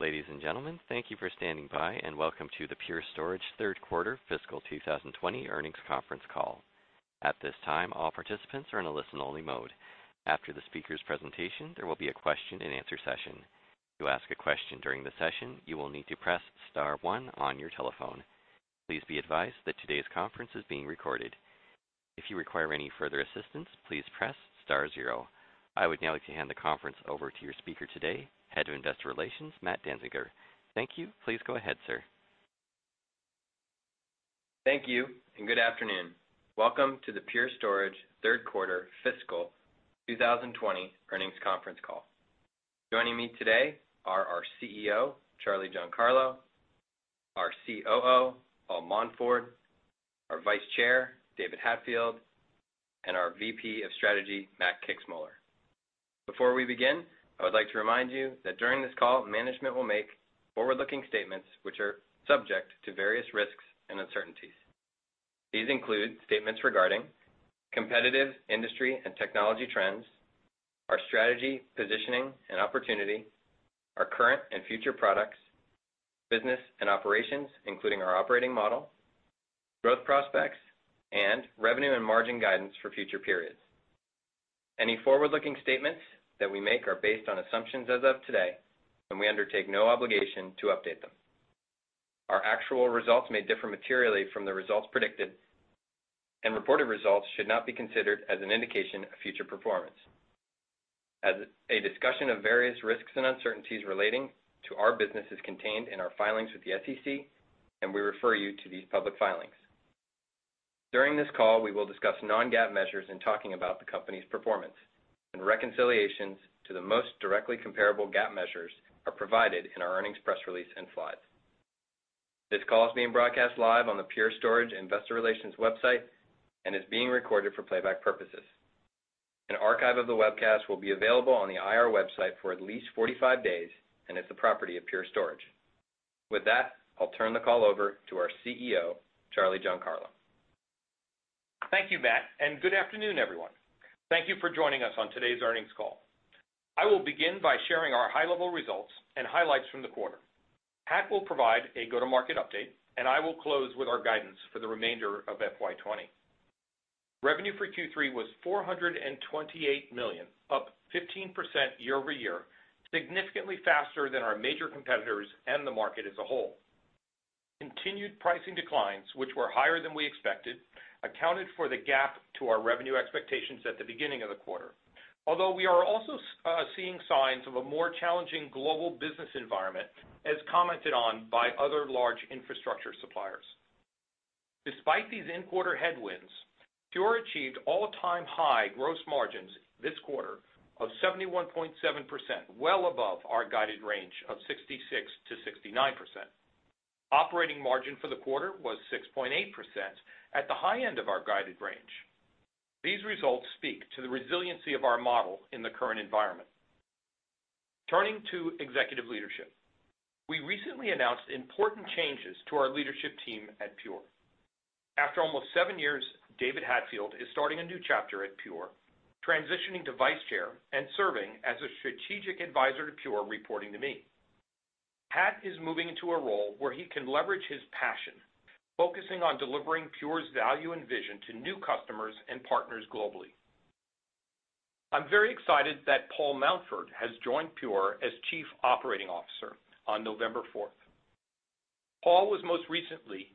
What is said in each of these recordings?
Ladies and gentlemen, thank you for standing by, and welcome to the Pure Storage third quarter fiscal 2020 earnings conference call. At this time, all participants are in a listen-only mode. After the speaker's presentation, there will be a question and answer session. To ask a question during the session, you will need to press star one on your telephone. Please be advised that today's conference is being recorded. If you require any further assistance, please press star zero. I would now like to hand the conference over to your speaker today, Head of Investor Relations, Matt Danziger. Thank you. Please go ahead, sir. Thank you, good afternoon. Welcome to the Pure Storage third quarter fiscal 2020 earnings conference call. Joining me today are our CEO, Charlie Giancarlo, our COO, Paul Mountford, our Vice Chair, David Hatfield, and our VP of Strategy, Matt Kixmoeller. Before we begin, I would like to remind you that during this call, management will make forward-looking statements which are subject to various risks and uncertainties. These include statements regarding competitive industry and technology trends, our strategy, positioning, and opportunity, our current and future products, business and operations, including our operating model, growth prospects, and revenue and margin guidance for future periods. Any forward-looking statements that we make are based on assumptions as of today, and we undertake no obligation to update them. Our actual results may differ materially from the results predicted, and reported results should not be considered as an indication of future performance. As a discussion of various risks and uncertainties relating to our business is contained in our filings with the SEC, and we refer you to these public filings. During this call, we will discuss non-GAAP measures in talking about the company's performance, and reconciliations to the most directly comparable GAAP measures are provided in our earnings press release and slides. This call is being broadcast live on the Pure Storage Investor Relations website and is being recorded for playback purposes. An archive of the webcast will be available on the IR website for at least 45 days, and is the property of Pure Storage. With that, I'll turn the call over to our CEO, Charlie Giancarlo. Thank you, Matt, good afternoon, everyone. Thank you for joining us on today's earnings call. I will begin by sharing our high-level results and highlights from the quarter. Hat will provide a go-to-market update, and I will close with our guidance for the remainder of FY 2020. Revenue for Q3 was $428 million, up 15% year-over-year, significantly faster than our major competitors and the market as a whole. Continued pricing declines, which were higher than we expected, accounted for the gap to our revenue expectations at the beginning of the quarter. Although we are also seeing signs of a more challenging global business environment, as commented on by other large infrastructure suppliers. Despite these in-quarter headwinds, Pure achieved all-time high gross margins this quarter of 71.7%, well above our guided range of 66%-69%. Operating margin for the quarter was 6.8%, at the high end of our guided range. These results speak to the resiliency of our model in the current environment. Turning to executive leadership. We recently announced important changes to our leadership team at Pure. After almost seven years, David Hatfield is starting a new chapter at Pure, transitioning to vice chair and serving as a strategic advisor to Pure, reporting to me. Hat is moving into a role where he can leverage his passion, focusing on delivering Pure's value and vision to new customers and partners globally. I'm very excited that Paul Mountford has joined Pure as chief operating officer on November 4th. Paul was most recently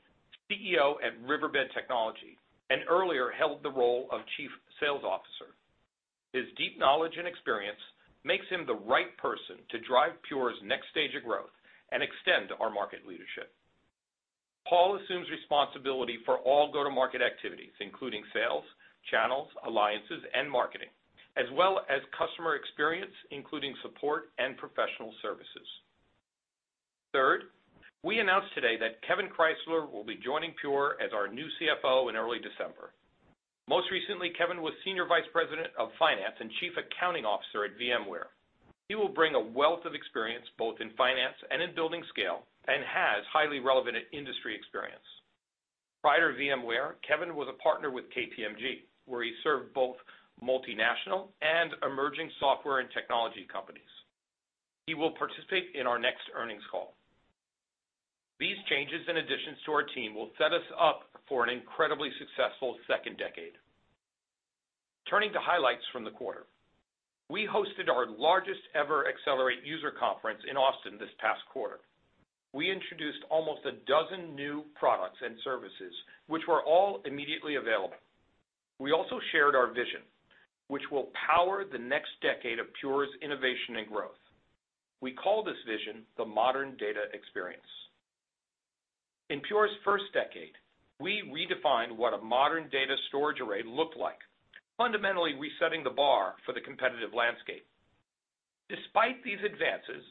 CEO at Riverbed Technology, and earlier held the role of chief sales officer. His deep knowledge and experience makes him the right person to drive Pure's next stage of growth and extend our market leadership. Paul assumes responsibility for all go-to-market activities, including sales, channels, alliances, and marketing, as well as customer experience, including support and professional services. Third, we announced today that Kevan Krysler will be joining Pure as our new CFO in early December. Most recently, Kevan was Senior Vice President of Finance and Chief Accounting Officer at VMware. He will bring a wealth of experience both in finance and in building scale, and has highly relevant industry experience. Prior to VMware, Kevan was a partner with KPMG, where he served both multinational and emerging software and technology companies. He will participate in our next earnings call. These changes and additions to our team will set us up for an incredibly successful second decade. Turning to highlights from the quarter. We hosted our largest-ever Pure//Accelerate user conference in Austin this past quarter. We introduced almost 12 new products and services, which were all immediately available. We also shared our vision, which will power the next decade of Pure's innovation and growth. We call this vision the Modern Data Experience. In Pure's first decade, we redefined what a modern data storage array looked like, fundamentally resetting the bar for the competitive landscape. Despite these advances,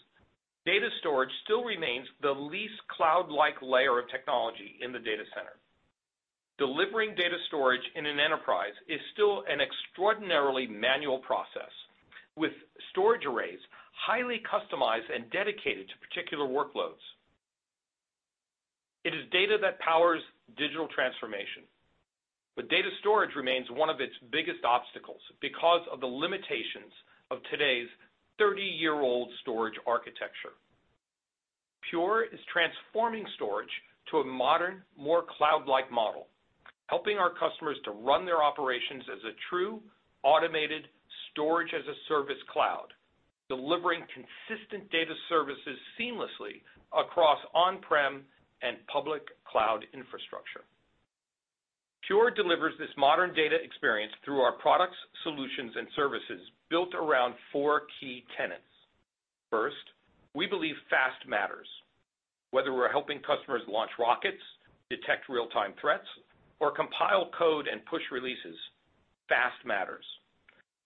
data storage still remains the least cloud-like layer of technology in the data center. Delivering data storage in an enterprise is still an extraordinarily manual process, with storage arrays highly customized and dedicated to particular workloads. It is data that powers digital transformation. Data storage remains one of its biggest obstacles because of the limitations of today's 30-year-old storage architecture. Pure is transforming storage to a modern, more cloud-like model, helping our customers to run their operations as a true automated storage-as-a-service cloud, delivering consistent data services seamlessly across on-prem and public cloud infrastructure. Pure delivers this Modern Data Experience through our products, solutions, and services built around four key tenets. First, we believe fast matters. Whether we're helping customers launch rockets, detect real-time threats, or compile code and push releases, fast matters.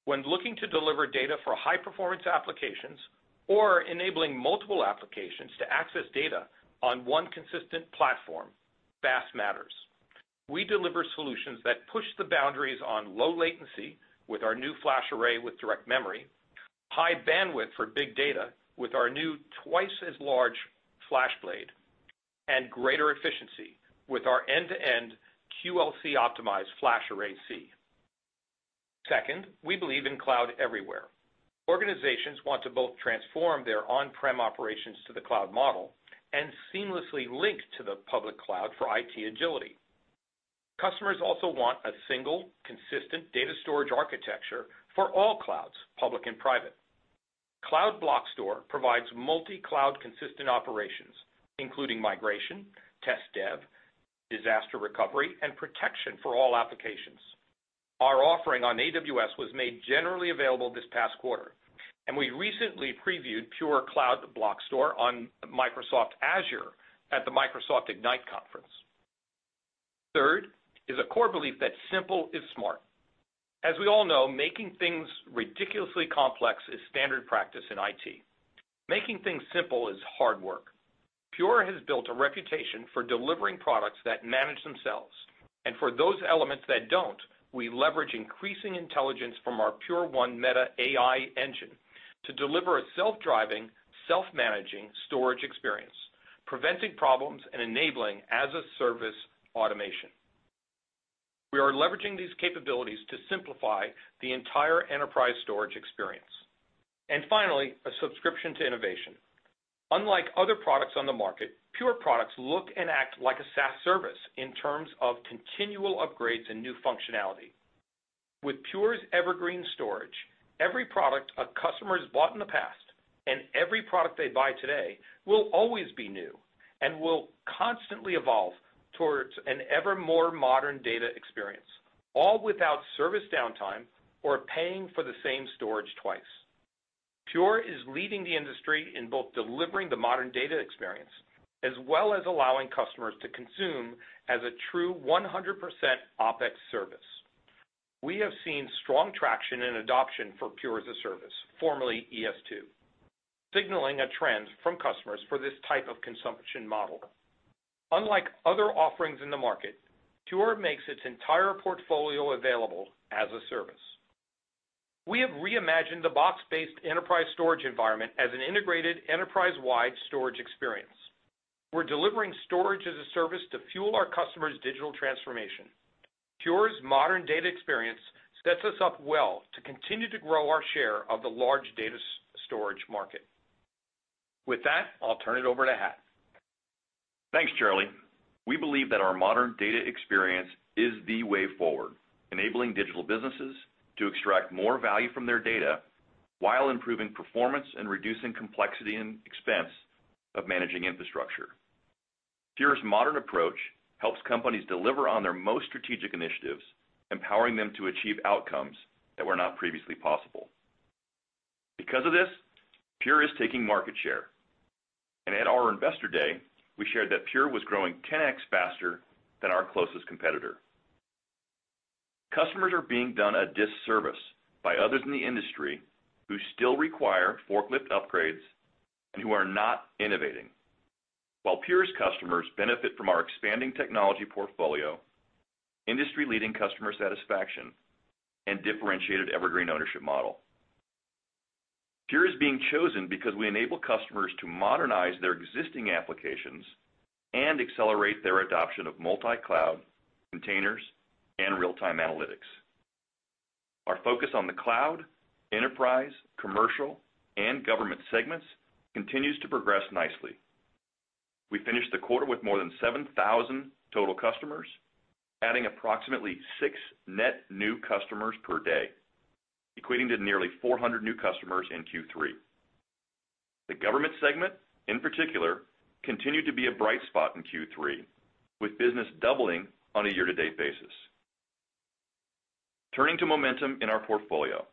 When looking to deliver data for high-performance applications or enabling multiple applications to access data on one consistent platform, fast matters. We deliver solutions that push the boundaries on low latency with our new FlashArray with DirectMemory, high bandwidth for big data with our new twice as large FlashBlade, and greater efficiency with our end-to-end QLC optimized FlashArray//C. Second, we believe in cloud everywhere. Organizations want to both transform their on-prem operations to the cloud model and seamlessly link to the public cloud for IT agility. Customers also want a single, consistent data storage architecture for all clouds, public and private. Cloud Block Store provides multi-cloud consistent operations, including migration, test dev, disaster recovery, and protection for all applications. Our offering on AWS was made generally available this past quarter. We recently previewed Pure Cloud Block Store on Microsoft Azure at the Microsoft Ignite Conference. Third is a core belief that simple is smart. As we all know, making things ridiculously complex is standard practice in IT. Making things simple is hard work. Pure has built a reputation for delivering products that manage themselves. For those elements that don't, we leverage increasing intelligence from our Pure1 Meta AI engine to deliver a self-driving, self-managing storage experience, preventing problems and enabling as-a-service automation. We are leveraging these capabilities to simplify the entire enterprise storage experience. Finally, a subscription to innovation. Unlike other products on the market, Pure products look and act like a SaaS service in terms of continual upgrades and new functionality. With Pure's Evergreen Storage, every product a customer has bought in the past and every product they buy today will always be new and will constantly evolve towards an ever more Modern Data Experience, all without service downtime or paying for the same storage twice. Pure is leading the industry in both delivering the Modern Data Experience as well as allowing customers to consume as a true 100% OPEX service. We have seen strong traction and adoption for Pure as-a-Service, formerly ES2, signaling a trend from customers for this type of consumption model. Unlike other offerings in the market, Pure makes its entire portfolio available as a service. We have reimagined the box-based enterprise storage environment as an integrated enterprise-wide storage experience. We're delivering storage-as-a-service to fuel our customers' digital transformation. Pure's Modern Data Experience sets us up well to continue to grow our share of the large data storage market. With that, I'll turn it over to Hat. Thanks, Charlie. We believe that our Modern Data Experience is the way forward, enabling digital businesses to extract more value from their data while improving performance and reducing complexity and expense of managing infrastructure. Everpure's modern approach helps companies deliver on their most strategic initiatives, empowering them to achieve outcomes that were not previously possible. Everpure is taking market share. At our investor day, we shared that Everpure was growing 10x faster than our closest competitor. Customers are being done a disservice by others in the industry who still require forklift upgrades and who are not innovating while Everpure's customers benefit from our expanding technology portfolio, industry-leading customer satisfaction, and differentiated Evergreen ownership model. Everpure is being chosen because we enable customers to modernize their existing applications and accelerate their adoption of multi-cloud, containers, and real-time analytics. Our focus on the cloud, enterprise, commercial, and government segments continues to progress nicely. We finished the quarter with more than 7,000 total customers, adding approximately six net new customers per day, equating to nearly 400 new customers in Q3. The government segment, in particular, continued to be a bright spot in Q3, with business doubling on a year-to-date basis. Turning to momentum in our portfolio.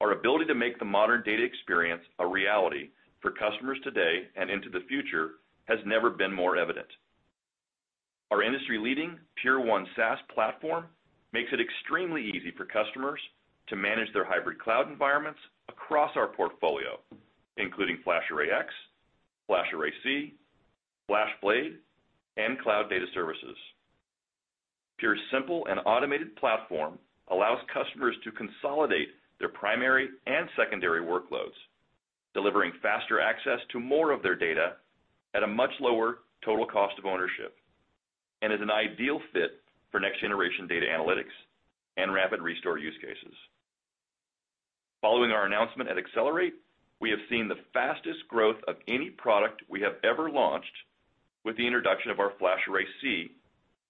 Our ability to make the Modern Data Experience a reality for customers today and into the future has never been more evident. Our industry-leading Pure1 SaaS platform makes it extremely easy for customers to manage their hybrid cloud environments across our portfolio, including FlashArray//X, FlashArray//C, FlashBlade, and Cloud Data Services. Pure's simple and automated platform allows customers to consolidate their primary and secondary workloads, delivering faster access to more of their data at a much lower total cost of ownership, and is an ideal fit for next-generation data analytics and rapid restore use cases. Following our announcement at Accelerate, we have seen the fastest growth of any product we have ever launched with the introduction of our FlashArray//C,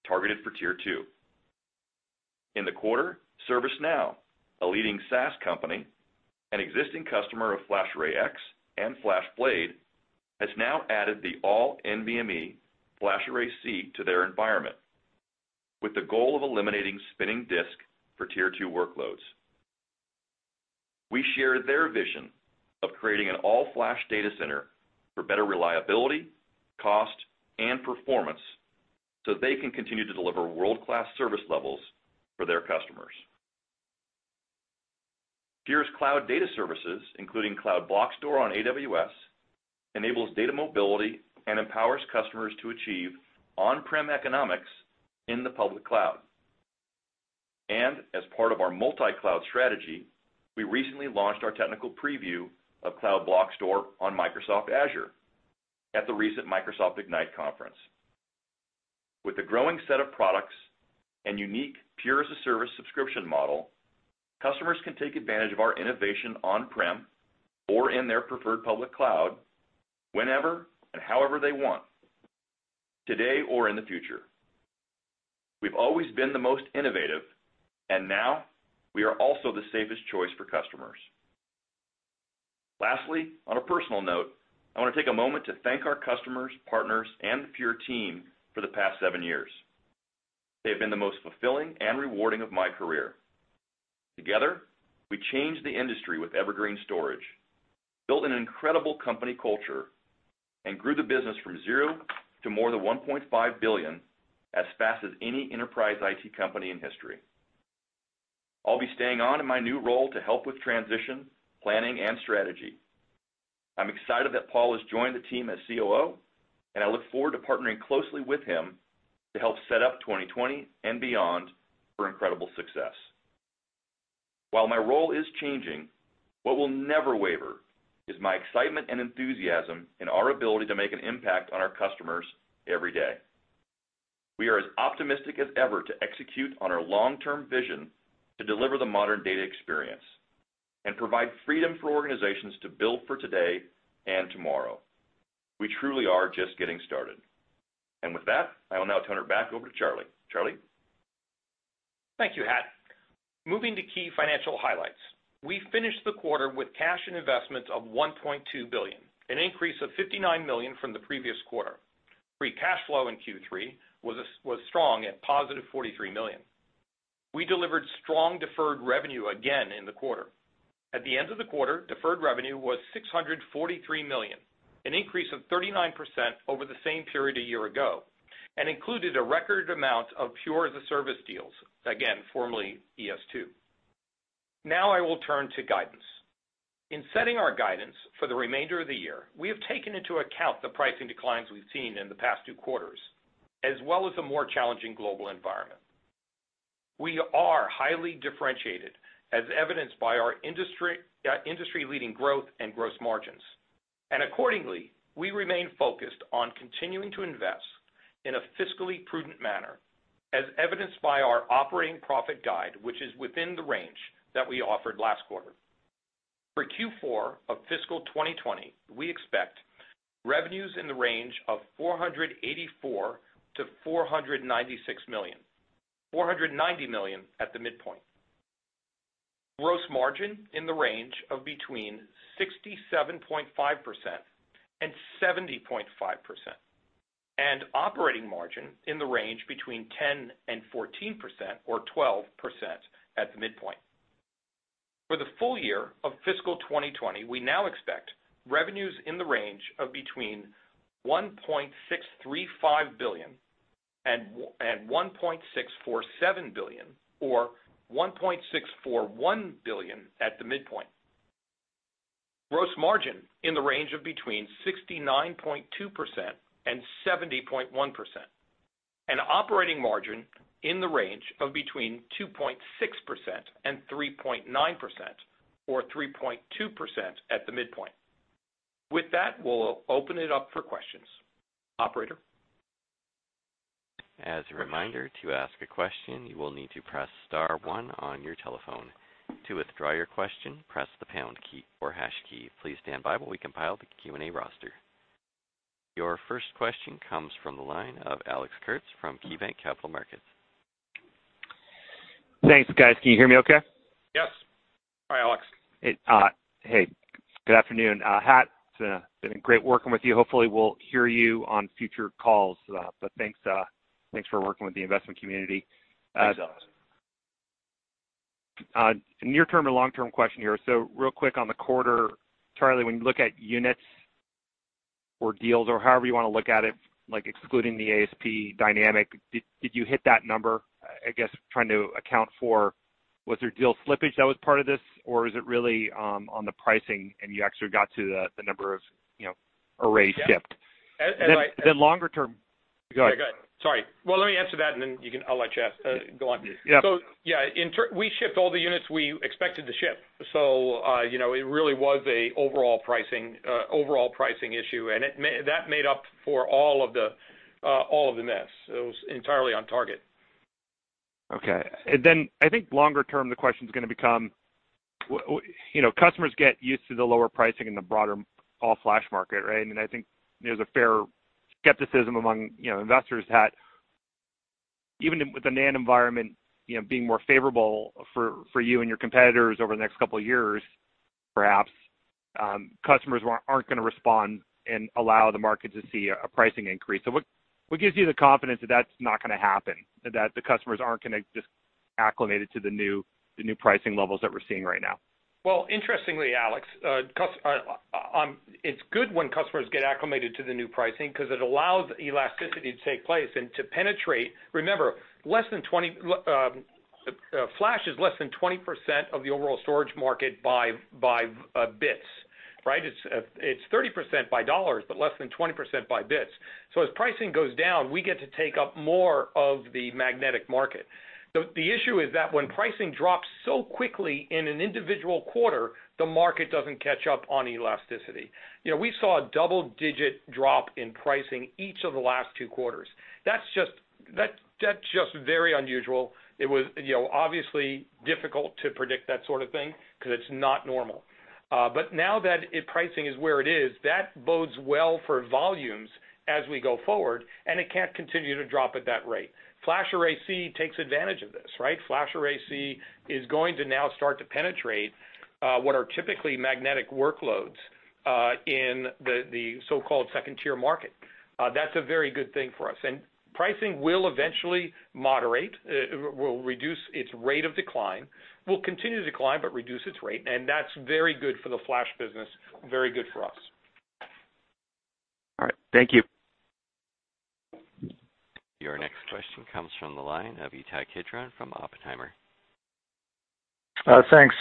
targeted for tier 2. In the quarter, ServiceNow, a leading SaaS company, an existing customer of FlashArray//X and FlashBlade, has now added the all-NVMe FlashArray//C to their environment with the goal of eliminating spinning disk for tier 2 workloads. We share their vision of creating an all-flash data center for better reliability, cost, and performance, so they can continue to deliver world-class service levels for their customers. Pure's Cloud Data Services, including Cloud Block Store on AWS, enables data mobility and empowers customers to achieve on-prem economics in the public cloud. As part of our multi-cloud strategy, we recently launched our technical preview of Cloud Block Store on Microsoft Azure at the recent Microsoft Ignite conference. With a growing set of products and unique Pure as-a-Service subscription model, customers can take advantage of our innovation on-prem or in their preferred public cloud, whenever and however they want, today or in the future. We've always been the most innovative, now we are also the safest choice for customers. Lastly, on a personal note, I want to take a moment to thank our customers, partners, and the Pure team for the past seven years. They have been the most fulfilling and rewarding of my career. Together, we changed the industry with Evergreen Storage, built an incredible company culture, and grew the business from zero to more than $1.5 billion, as fast as any enterprise IT company in history. I'll be staying on in my new role to help with transition, planning, and strategy. I'm excited that Paul has joined the team as COO, and I look forward to partnering closely with him to help set up 2020 and beyond for incredible success. While my role is changing, what will never waver is my excitement and enthusiasm in our ability to make an impact on our customers every day. We are as optimistic as ever to execute on our long-term vision to deliver the Modern Data Experience and provide freedom for organizations to build for today and tomorrow. We truly are just getting started. With that, I will now turn it back over to Charlie. Charlie? Thank you, Hat. Moving to key financial highlights. We finished the quarter with cash and investments of $1.2 billion, an increase of $59 million from the previous quarter. Free cash flow in Q3 was strong at positive $43 million. We delivered strong deferred revenue again in the quarter. At the end of the quarter, deferred revenue was $643 million, an increase of 39% over the same period a year ago, and included a record amount of Pure as-a-Service deals, again, formerly ES2. I will turn to guidance. In setting our guidance for the remainder of the year, we have taken into account the pricing declines we've seen in the past two quarters, as well as a more challenging global environment. We are highly differentiated as evidenced by our industry-leading growth and gross margins. Accordingly, we remain focused on continuing to invest in a fiscally prudent manner, as evidenced by our operating profit guide, which is within the range that we offered last quarter. For Q4 of fiscal 2020, we expect revenues in the range of $484 million-$496 million. $490 million at the midpoint. Gross margin in the range of between 67.5% and 70.5%. Operating margin in the range between 10% and 14%, or 12% at the midpoint. For the full year of fiscal 2020, we now expect revenues in the range of between $1.635 billion and $1.647 billion, or $1.641 billion at the midpoint. Gross margin in the range of between 69.2% and 70.1%. Operating margin in the range of between 2.6% and 3.9%, or 3.2% at the midpoint. With that, we'll open it up for questions. Operator? As a reminder, to ask a question, you will need to press star one on your telephone. To withdraw your question, press the pound key or hash key. Please stand by while we compile the Q&A roster. Your first question comes from the line of Alex Kurtz from KeyBanc Capital Markets. Thanks, guys. Can you hear me okay? Yes. Hi, Alex. Hey. Good afternoon. Hat, it's been great working with you. Hopefully, we'll hear you on future calls. Thanks for working with the investment community. Thanks, Alex. A near-term and long-term question here. Real quick on the quarter, Charlie, when you look at units or deals or however you want to look at it, like excluding the ASP dynamic, did you hit that number? Was there deal slippage that was part of this, or is it really on the pricing and you actually got to the number of arrays shipped? Yeah. Longer term. Go ahead. Yeah, go ahead. Sorry. Let me answer that and then I'll let you go on. Yeah. Yeah, in turn, we shipped all the units we expected to ship, so it really was an overall pricing issue. That made up for all of the miss. It was entirely on target. Okay. I think longer term, the question is going to become, customers get used to the lower pricing in the broader all-flash market, right? I think there's a fair skepticism among investors that even with the NAND environment being more favorable for you and your competitors over the next couple of years, perhaps, customers aren't going to respond and allow the market to see a pricing increase. What gives you the confidence that that's not going to happen, that the customers aren't going to just acclimated to the new pricing levels that we're seeing right now? Well, interestingly, Alex, it's good when customers get acclimated to the new pricing because it allows elasticity to take place and to penetrate. Remember, flash is less than 20% of the overall storage market by bits. It's 30% by dollars, but less than 20% by bits. As pricing goes down, we get to take up more of the magnetic market. The issue is that when pricing drops so quickly in an individual quarter, the market doesn't catch up on elasticity. We saw a double-digit drop in pricing each of the last two quarters. That's just very unusual. It was obviously difficult to predict that sort of thing because it's not normal. Now that pricing is where it is, that bodes well for volumes as we go forward, and it can't continue to drop at that rate. FlashArray//C takes advantage of this. FlashArray//C is going to now start to penetrate what are typically magnetic workloads in the so-called second-tier market. That's a very good thing for us. Pricing will eventually moderate, will reduce its rate of decline, will continue to decline, but reduce its rate, and that's very good for the Flash business, very good for us. All right. Thank you. Your next question comes from the line of Ittai Kidron from Oppenheimer. Thanks.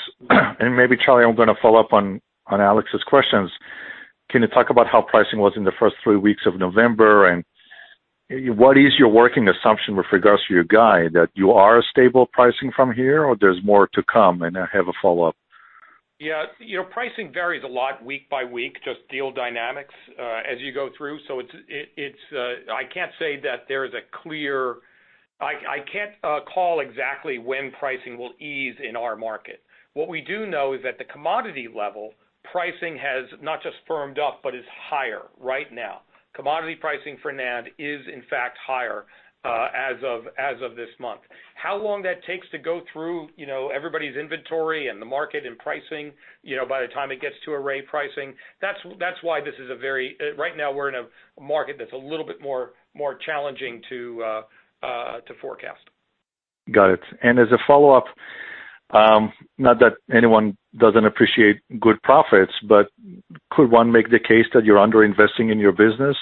Maybe, Charlie, I'm going to follow up on Alex's questions. Can you talk about how pricing was in the first three weeks of November? What is your working assumption with regards to your guide, that you are stable pricing from here, or there's more to come? I have a follow-up. Yeah. Pricing varies a lot week by week, just deal dynamics as you go through, so I can't call exactly when pricing will ease in our market. What we do know is at the commodity level, pricing has not just firmed up, but is higher right now. Commodity pricing for NAND is, in fact, higher as of this month. How long that takes to go through everybody's inventory and the market and pricing, by the time it gets to array pricing, that's why right now we're in a market that's a little bit more challenging to forecast. Got it. As a follow-up, not that anyone doesn't appreciate good profits, but could one make the case that you're under-investing in your business?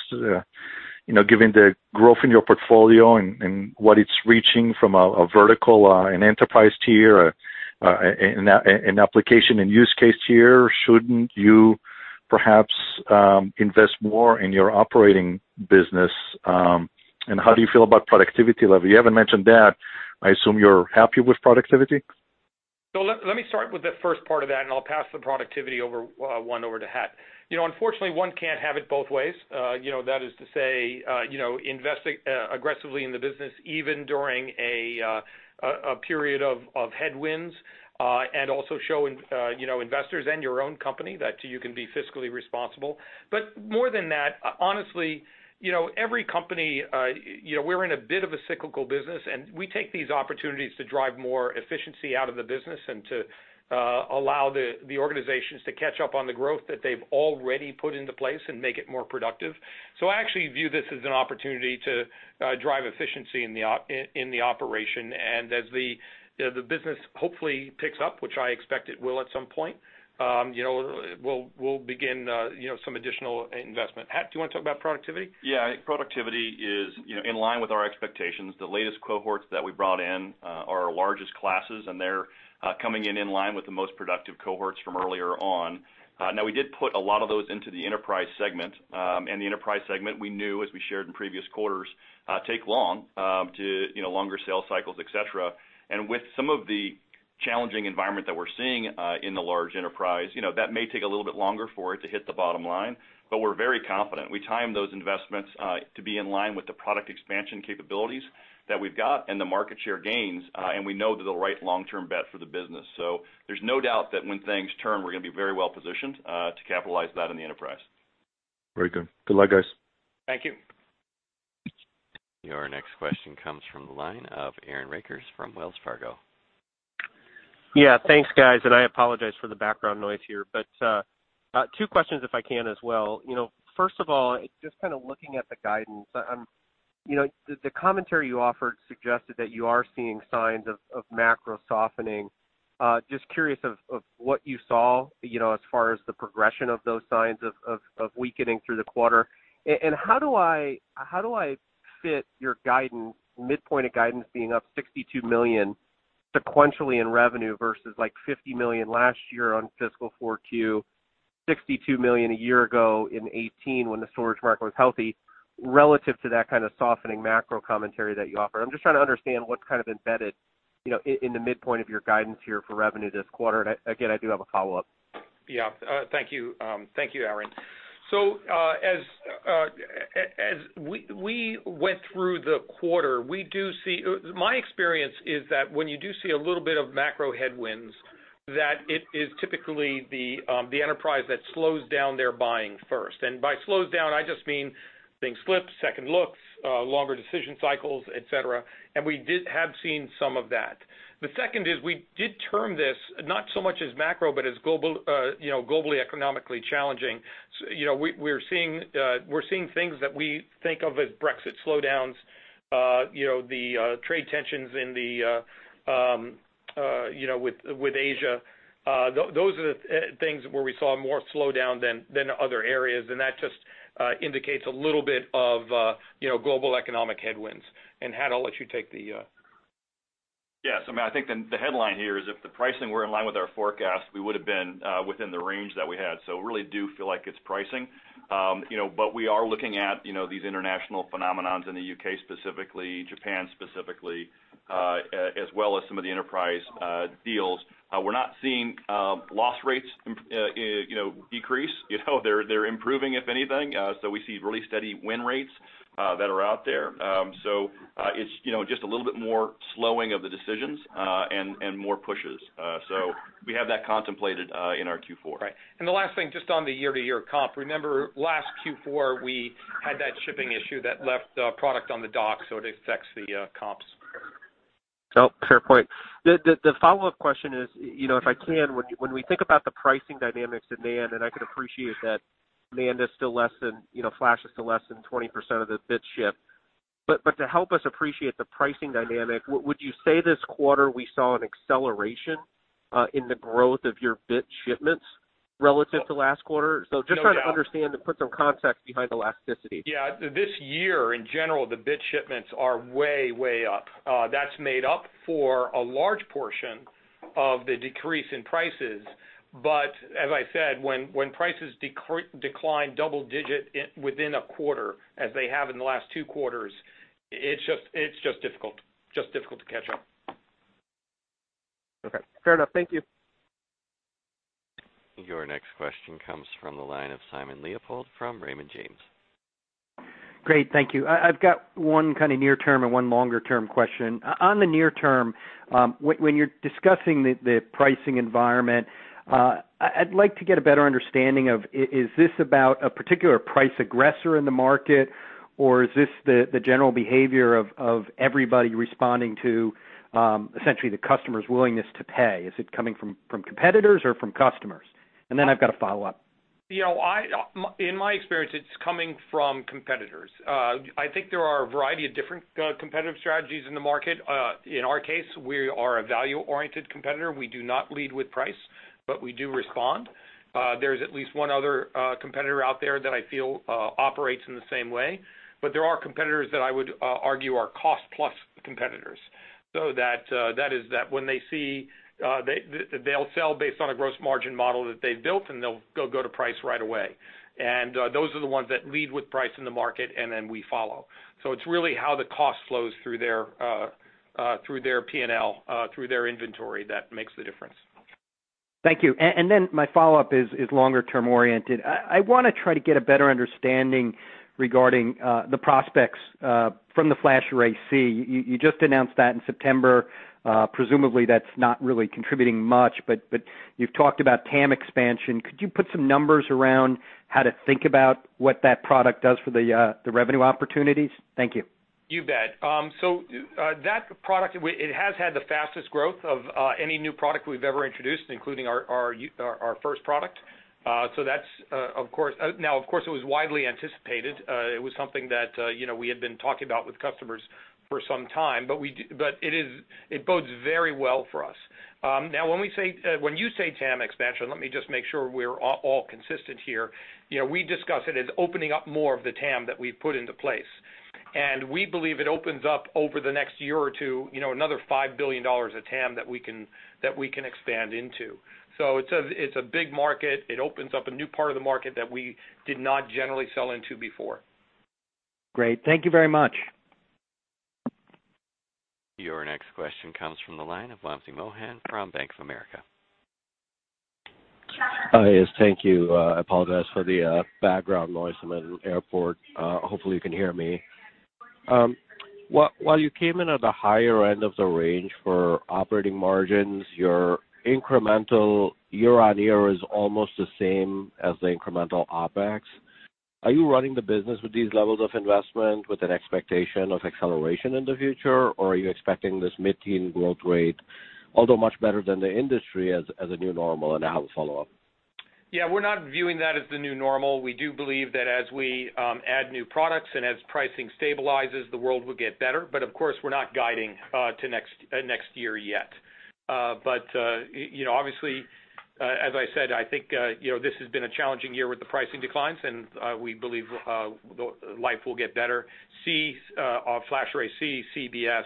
Given the growth in your portfolio and what it's reaching from a vertical, an enterprise tier, an application and use case tier, shouldn't you perhaps invest more in your operating business? How do you feel about productivity level? You haven't mentioned that. I assume you're happy with productivity? Let me start with the first part of that, and I'll pass the productivity one over to Hat. Unfortunately, one can't have it both ways. That is to say, investing aggressively in the business, even during a period of headwinds, and also showing investors and your own company that you can be fiscally responsible. More than that, honestly, every company, we're in a bit of a cyclical business, and we take these opportunities to drive more efficiency out of the business and to allow the organizations to catch up on the growth that they've already put into place and make it more productive. I actually view this as an opportunity to drive efficiency in the operation. As the business hopefully picks up, which I expect it will at some point, we'll begin some additional investment. Hat, do you want to talk about productivity? Yeah. Productivity is in line with our expectations. The latest cohorts that we brought in are our largest classes, and they're coming in in line with the most productive cohorts from earlier on. Now, we did put a lot of those into the enterprise segment. The enterprise segment, we knew, as we shared in previous quarters, take longer sales cycles, et cetera. With some of the challenging environment that we're seeing in the large enterprise, that may take a little bit longer for it to hit the bottom line, but we're very confident. We timed those investments to be in line with the product expansion capabilities that we've got and the market share gains, and we know they're the right long-term bet for the business. There's no doubt that when things turn, we're going to be very well-positioned to capitalize that in the enterprise. Very good. Good luck, guys. Thank you. Your next question comes from the line of Aaron Rakers from Wells Fargo. Yeah. Thanks, guys. I apologize for the background noise here. Two questions if I can as well. First of all, just kind of looking at the guidance. The commentary you offered suggested that you are seeing signs of macro softening. Just curious of what you saw as far as the progression of those signs of weakening through the quarter. How do I fit your midpoint of guidance being up $62 million sequentially in revenue versus like $50 million last year on fiscal 4Q, $62 million a year ago in 2018 when the storage market was healthy, relative to that kind of softening macro commentary that you offer? I'm just trying to understand what's kind of embedded in the midpoint of your guidance here for revenue this quarter, and again, I do have a follow-up. Yeah. Thank you, Aaron. As we went through the quarter, my experience is that when you do see a little bit of macro headwinds, that it is typically the enterprise that slows down their buying first. By slows down, I just mean things slip, second looks, longer decision cycles, et cetera. We have seen some of that. The second is we did term this not so much as macro, but as globally economically challenging. We're seeing things that we think of as Brexit slowdowns, the trade tensions with Asia. Those are the things where we saw more slowdown than other areas, and that just indicates a little bit of global economic headwinds. Hat, I'll let you take the Yes. I think the headline here is if the pricing were in line with our forecast, we would've been within the range that we had. Really do feel like it's pricing. We are looking at these international phenomenons in the U.K. specifically, Japan specifically, as well as some of the enterprise deals. We're not seeing loss rates decrease. They're improving, if anything. We see really steady win rates that are out there. It's just a little bit more slowing of the decisions, and more pushes. We have that contemplated in our Q4. Right. The last thing, just on the year-to-year comp, remember last Q4, we had that shipping issue that left product on the dock, so it affects the comps. Oh, fair point. The follow-up question is, if I can, when we think about the pricing dynamics at NAND, I could appreciate that NAND is still less than, flashes still less than 20% of the bit shipped, but to help us appreciate the pricing dynamic, would you say this quarter we saw an acceleration in the growth of your bit shipments relative to last quarter? No doubt. Just trying to understand and put some context behind the elasticity. Yeah. This year in general, the bit shipments are way up. That's made up for a large portion of the decrease in prices. As I said, when prices decline double digit within a quarter as they have in the last two quarters, it's just difficult to catch up. Okay. Fair enough. Thank you. Your next question comes from the line of Simon Leopold from Raymond James. Great. Thank you. I've got one kind of near term and one longer term question. On the near term, when you're discussing the pricing environment, I'd like to get a better understanding of, is this about a particular price aggressor in the market, or is this the general behavior of everybody responding to essentially the customer's willingness to pay? Is it coming from competitors or from customers? I've got a follow-up. In my experience, it's coming from competitors. I think there are a variety of different competitive strategies in the market. In our case, we are a value-oriented competitor. We do not lead with price, but we do respond. There's at least one other competitor out there that I feel operates in the same way, but there are competitors that I would argue are cost-plus competitors. That is that They'll sell based on a gross margin model that they've built, and they'll go to price right away. Those are the ones that lead with price in the market, and then we follow. It's really how the cost flows through their P&L, through their inventory that makes the difference. Thank you. My follow-up is longer term oriented. I want to try to get a better understanding regarding the prospects from the FlashArray//C. You just announced that in September. Presumably that's not really contributing much, but you've talked about TAM expansion. Could you put some numbers around how to think about what that product does for the revenue opportunities? Thank you. You bet. That product, it has had the fastest growth of any new product we've ever introduced, including our first product. Of course, it was widely anticipated. It was something that we had been talking about with customers for some time, but it bodes very well for us. When you say TAM expansion, let me just make sure we're all consistent here. We discuss it as opening up more of the TAM that we've put into place, and we believe it opens up over the next year or two another $5 billion of TAM that we can expand into. It's a big market. It opens up a new part of the market that we did not generally sell into before. Great. Thank you very much. Your next question comes from the line of Wamsi Mohan from Bank of America. Yes. Thank you. I apologize for the background noise. I'm in an airport. Hopefully you can hear me. While you came in at the higher end of the range for operating margins, your incremental year-on-year is almost the same as the incremental OpEx. Are you running the business with these levels of investment with an expectation of acceleration in the future, or are you expecting this mid-teen growth rate, although much better than the industry, as a new normal? I have a follow-up. Yeah, we're not viewing that as the new normal. We do believe that as we add new products and as pricing stabilizes, the world will get better. Of course, we're not guiding to next year yet. Obviously, as I said, I think this has been a challenging year with the pricing declines, and we believe life will get better. FlashArray//C, CBS,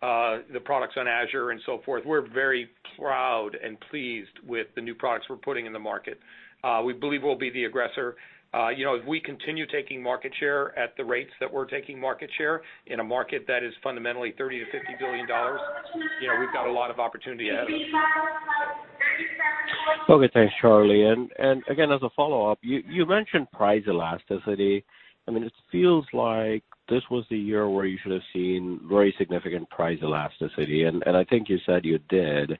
the products on Azure, and so forth, we're very proud and pleased with the new products we're putting in the market. We believe we'll be the aggressor. If we continue taking market share at the rates that we're taking market share in a market that is fundamentally $30 billion-$50 billion, we've got a lot of opportunity ahead of us. Okay, thanks, Charlie. Again, as a follow-up, you mentioned price elasticity. It feels like this was the year where you should have seen very significant price elasticity, and I think you said you did.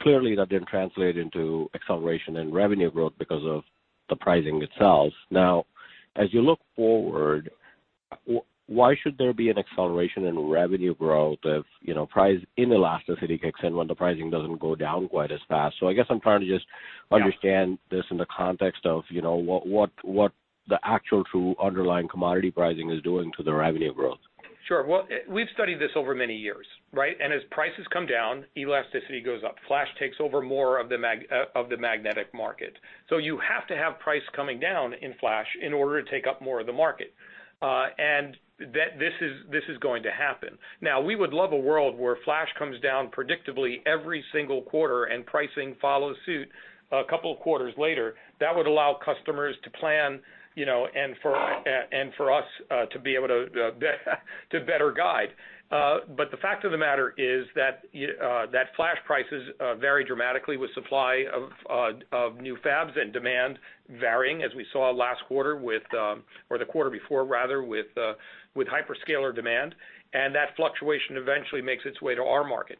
Clearly, that didn't translate into acceleration in revenue growth because of the pricing itself. As you look forward, why should there be an acceleration in revenue growth if price inelasticity kicks in when the pricing doesn't go down quite as fast? I guess I'm trying to just understand this in the context of what the actual true underlying commodity pricing is doing to the revenue growth. Sure. Well, we've studied this over many years, right? As prices come down, elasticity goes up. Flash takes over more of the magnetic market. You have to have price coming down in Flash in order to take up more of the market. This is going to happen. Now, we would love a world where Flash comes down predictably every single quarter and pricing follows suit a couple of quarters later. That would allow customers to plan, and for us to be able to better guide. The fact of the matter is that Flash prices vary dramatically with supply of new fabs and demand varying, as we saw last quarter with, or the quarter before rather, with hyperscaler demand, and that fluctuation eventually makes its way to our market.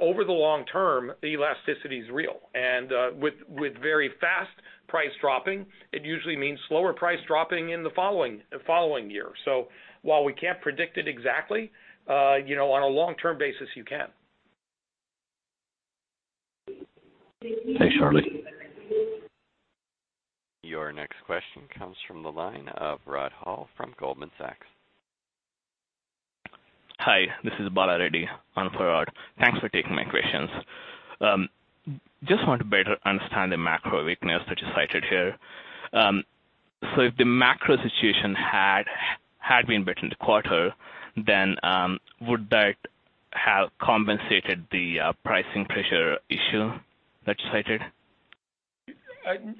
Over the long term, the elasticity is real, and with very fast price dropping, it usually means slower price dropping in the following year. While we can't predict it exactly, on a long-term basis, you can. Thanks, Charlie. Your next question comes from the line of Rod Hall from Goldman Sachs. Hi, this is Bala Reddy on for Rod. Thanks for taking my questions. Just want to better understand the macro weakness that you cited here. If the macro situation had been better in the quarter, would that have compensated the pricing pressure issue that you cited?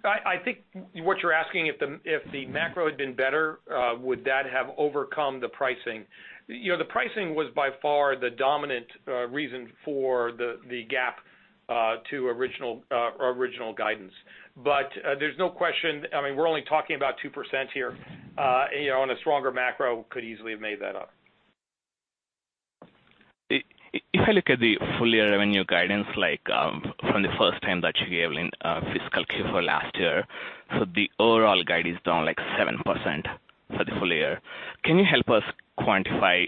I think what you're asking, if the macro had been better, would that have overcome the pricing? The pricing was by far the dominant reason for the gap to original guidance. There's no question, we're only talking about 2% here, and a stronger macro could easily have made that up. If I look at the full year revenue guidance, like from the first time that you gave in fiscal Q4 last year, the overall guidance is down like 7% for the full year. Can you help us quantify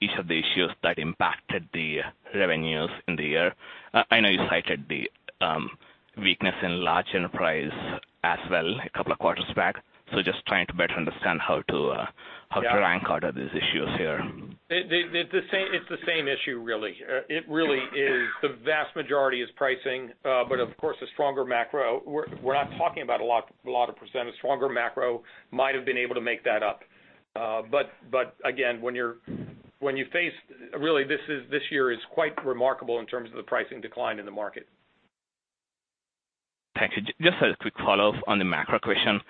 each of the issues that impacted the revenues in the year? I know you cited the weakness in large enterprise as well a couple of quarters back rank order these issues here. It's the same issue, really. It really is the vast majority is pricing. Of course, a stronger macro, we're not talking about a lot of percent. A stronger macro might have been able to make that up. Again, when you face, really, this year is quite remarkable in terms of the pricing decline in the market. Thanks. Just as a quick follow-up on the macro question.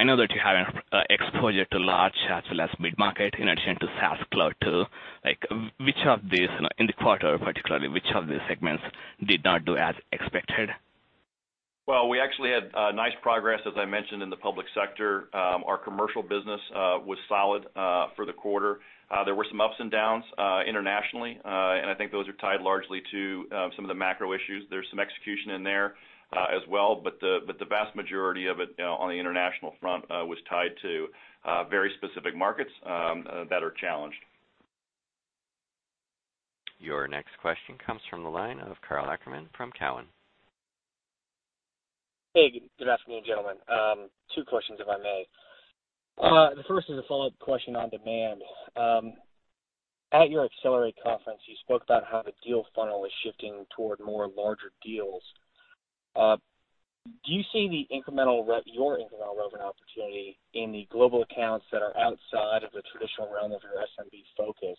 I know that you have exposure to large as well as mid-market in addition to SaaS cloud too. In the quarter particularly, which of these segments did not do as expected? Well, we actually had nice progress, as I mentioned, in the public sector. Our commercial business was solid for the quarter. There were some ups and downs internationally, and I think those are tied largely to some of the macro issues. There's some execution in there as well, but the vast majority of it on the international front was tied to very specific markets that are challenged. Your next question comes from the line of Karl Ackerman from Cowen. Hey, good afternoon, gentlemen. two questions, if I may. The first is a follow-up question on demand. At your Pure//Accelerate conference, you spoke about how the deal funnel is shifting toward more larger deals. Do you see your incremental revenue opportunity in the global accounts that are outside of the traditional realm of your SMB focus?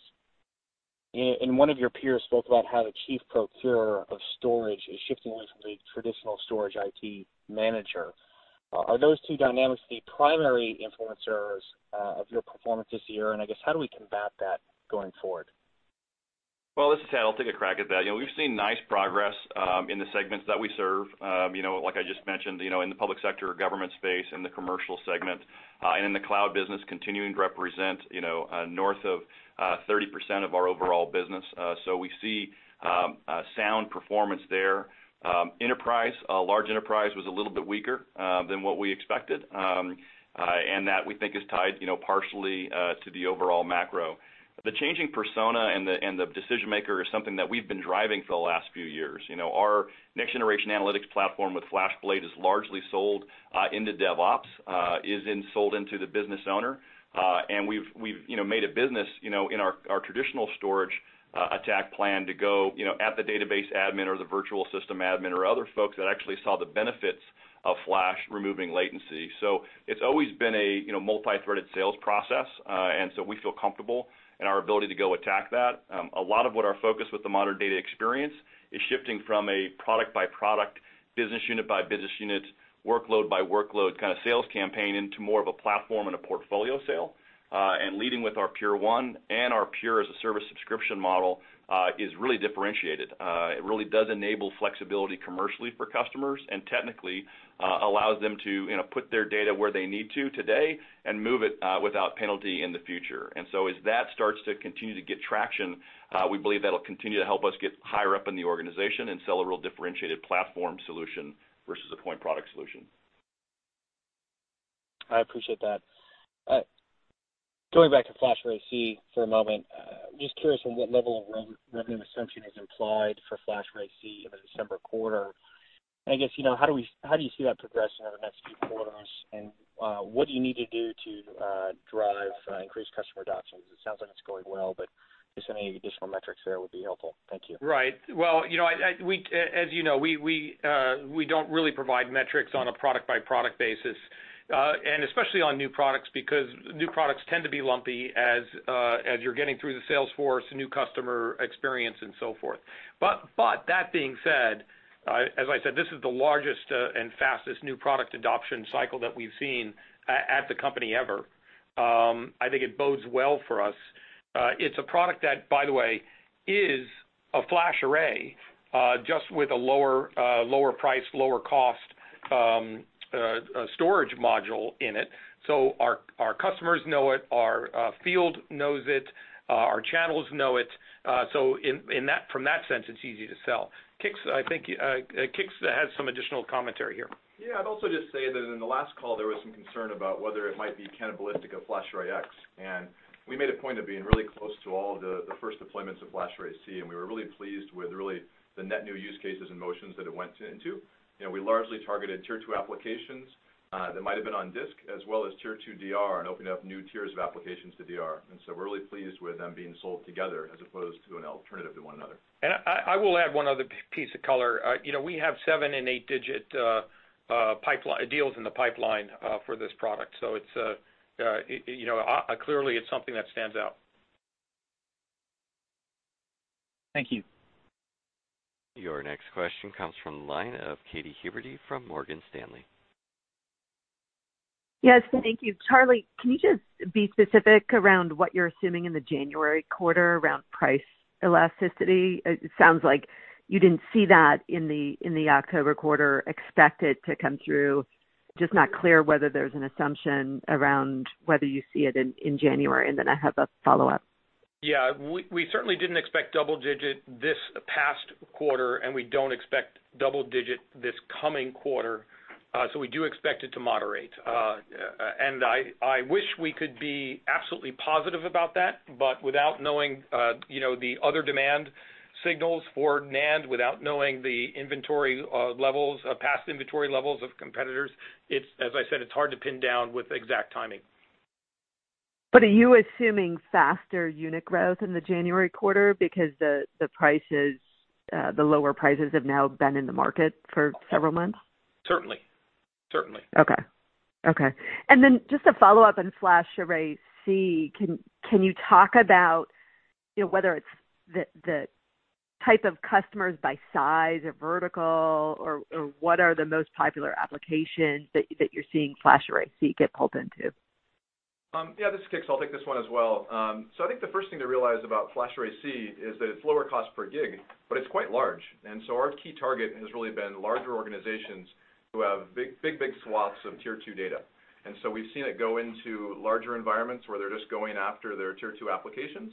One of your peers spoke about how the chief procurer of storage is shifting away from the traditional storage IT manager. Are those two dynamics the primary influencers of your performance this year, and I guess, how do we combat that going forward? Well, this is Hat. I'll take a crack at that. We've seen nice progress in the segments that we serve. Like I just mentioned, in the public sector government space, in the commercial segment, and in the cloud business continuing to represent north of 30% of our overall business. We see sound performance there. Enterprise, large enterprise was a little bit weaker than what we expected, and that we think is tied partially to the overall macro. The changing persona and the decision maker is something that we've been driving for the last few years. Our next generation analytics platform with FlashBlade is largely sold into DevOps, isn't sold into the business owner. We've made a business in our traditional storage attack plan to go at the database admin or the virtual system admin or other folks that actually saw the benefits of flash removing latency. It's always been a multi-threaded sales process, and so we feel comfortable in our ability to go attack that. A lot of what our focus with the Modern Data Experience is shifting from a product-by-product, business unit by business unit, workload by workload kind of sales campaign into more of a platform and a portfolio sale. Leading with our Pure1 and our Pure as-a-Service subscription model is really differentiated. It really does enable flexibility commercially for customers and technically allows them to put their data where they need to today and move it without penalty in the future. As that starts to continue to get traction, we believe that'll continue to help us get higher up in the organization and sell a real differentiated platform solution versus a point product solution. I appreciate that. Going back to FlashArray//C for a moment, just curious on what level of revenue assumption is implied for FlashArray//C in the December quarter. I guess, how do you see that progressing over the next few quarters? What do you need to do to drive increased customer adoption? It sounds like it's going well, but just any additional metrics there would be helpful. Thank you. Right. Well, as you know, we don't really provide metrics on a product-by-product basis. Especially on new products, because new products tend to be lumpy as you're getting through the sales force, new customer experience, and so forth. That being said, as I said, this is the largest and fastest new product adoption cycle that we've seen at the company ever. I think it bodes well for us. It's a product that, by the way, is a FlashArray just with a lower price, lower cost storage module in it. Our customers know it, our field knows it, our channels know it. From that sense, it's easy to sell. Kix, I think Kix has some additional commentary here. Yeah, I'd also just say that in the last call, there was some concern about whether it might be cannibalistic of FlashArray//X. We made a point of being really close to all of the first deployments of FlashArray//C, and we were really pleased with really the net new use cases and motions that it went into. We largely targeted tier 2 applications that might have been on disk as well as tier 2 DR and opened up new tiers of applications to DR. We're really pleased with them being sold together as opposed to an alternative to one another. I will add one other piece of color. We have seven and eight-digit deals in the pipeline for this product. Clearly it's something that stands out. Thank you. Your next question comes from the line of Katy Huberty from Morgan Stanley. Yes, thank you. Charlie, can you just be specific around what you're assuming in the January quarter around price elasticity? It sounds like you didn't see that in the October quarter expected to come through. Just not clear whether there's an assumption around whether you see it in January. I have a follow-up. We certainly didn't expect double digit this past quarter, and we don't expect double digit this coming quarter. We do expect it to moderate. I wish we could be absolutely positive about that, but without knowing the other demand signals for NAND, without knowing the past inventory levels of competitors, as I said, it's hard to pin down with exact timing. Are you assuming faster unit growth in the January quarter because the lower prices have now been in the market for several months? Certainly. Okay. Just a follow-up on FlashArray//C. Can you talk about whether it's the type of customers by size or vertical or what are the most popular applications that you're seeing FlashArray//C get pulled into? Yeah, this is Kix. I'll take this one as well. I think the first thing to realize about FlashArray//C is that it's lower cost per gig, but it's quite large. Our key target has really been larger organizations who have big swaths of tier 2 data. We've seen it go into larger environments where they're just going after their tier 2 applications.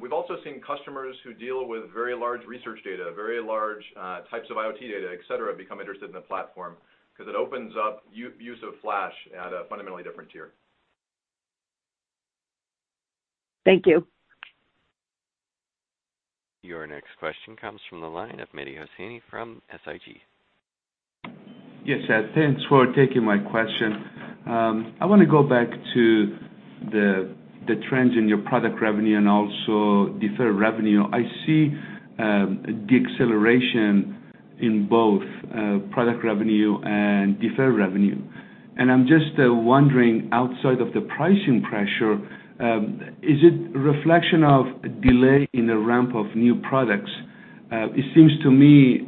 We've also seen customers who deal with very large research data, very large types of IoT data, et cetera, become interested in the platform because it opens up use of Flash at a fundamentally different tier. Thank you. Your next question comes from the line of Mehdi Hosseini from SIG. Yes. Thanks for taking my question. I want to go back to the trends in your product revenue and also deferred revenue. I see a deceleration in both product revenue and deferred revenue. I'm just wondering, outside of the pricing pressure, is it a reflection of delay in the ramp of new products? It seems to me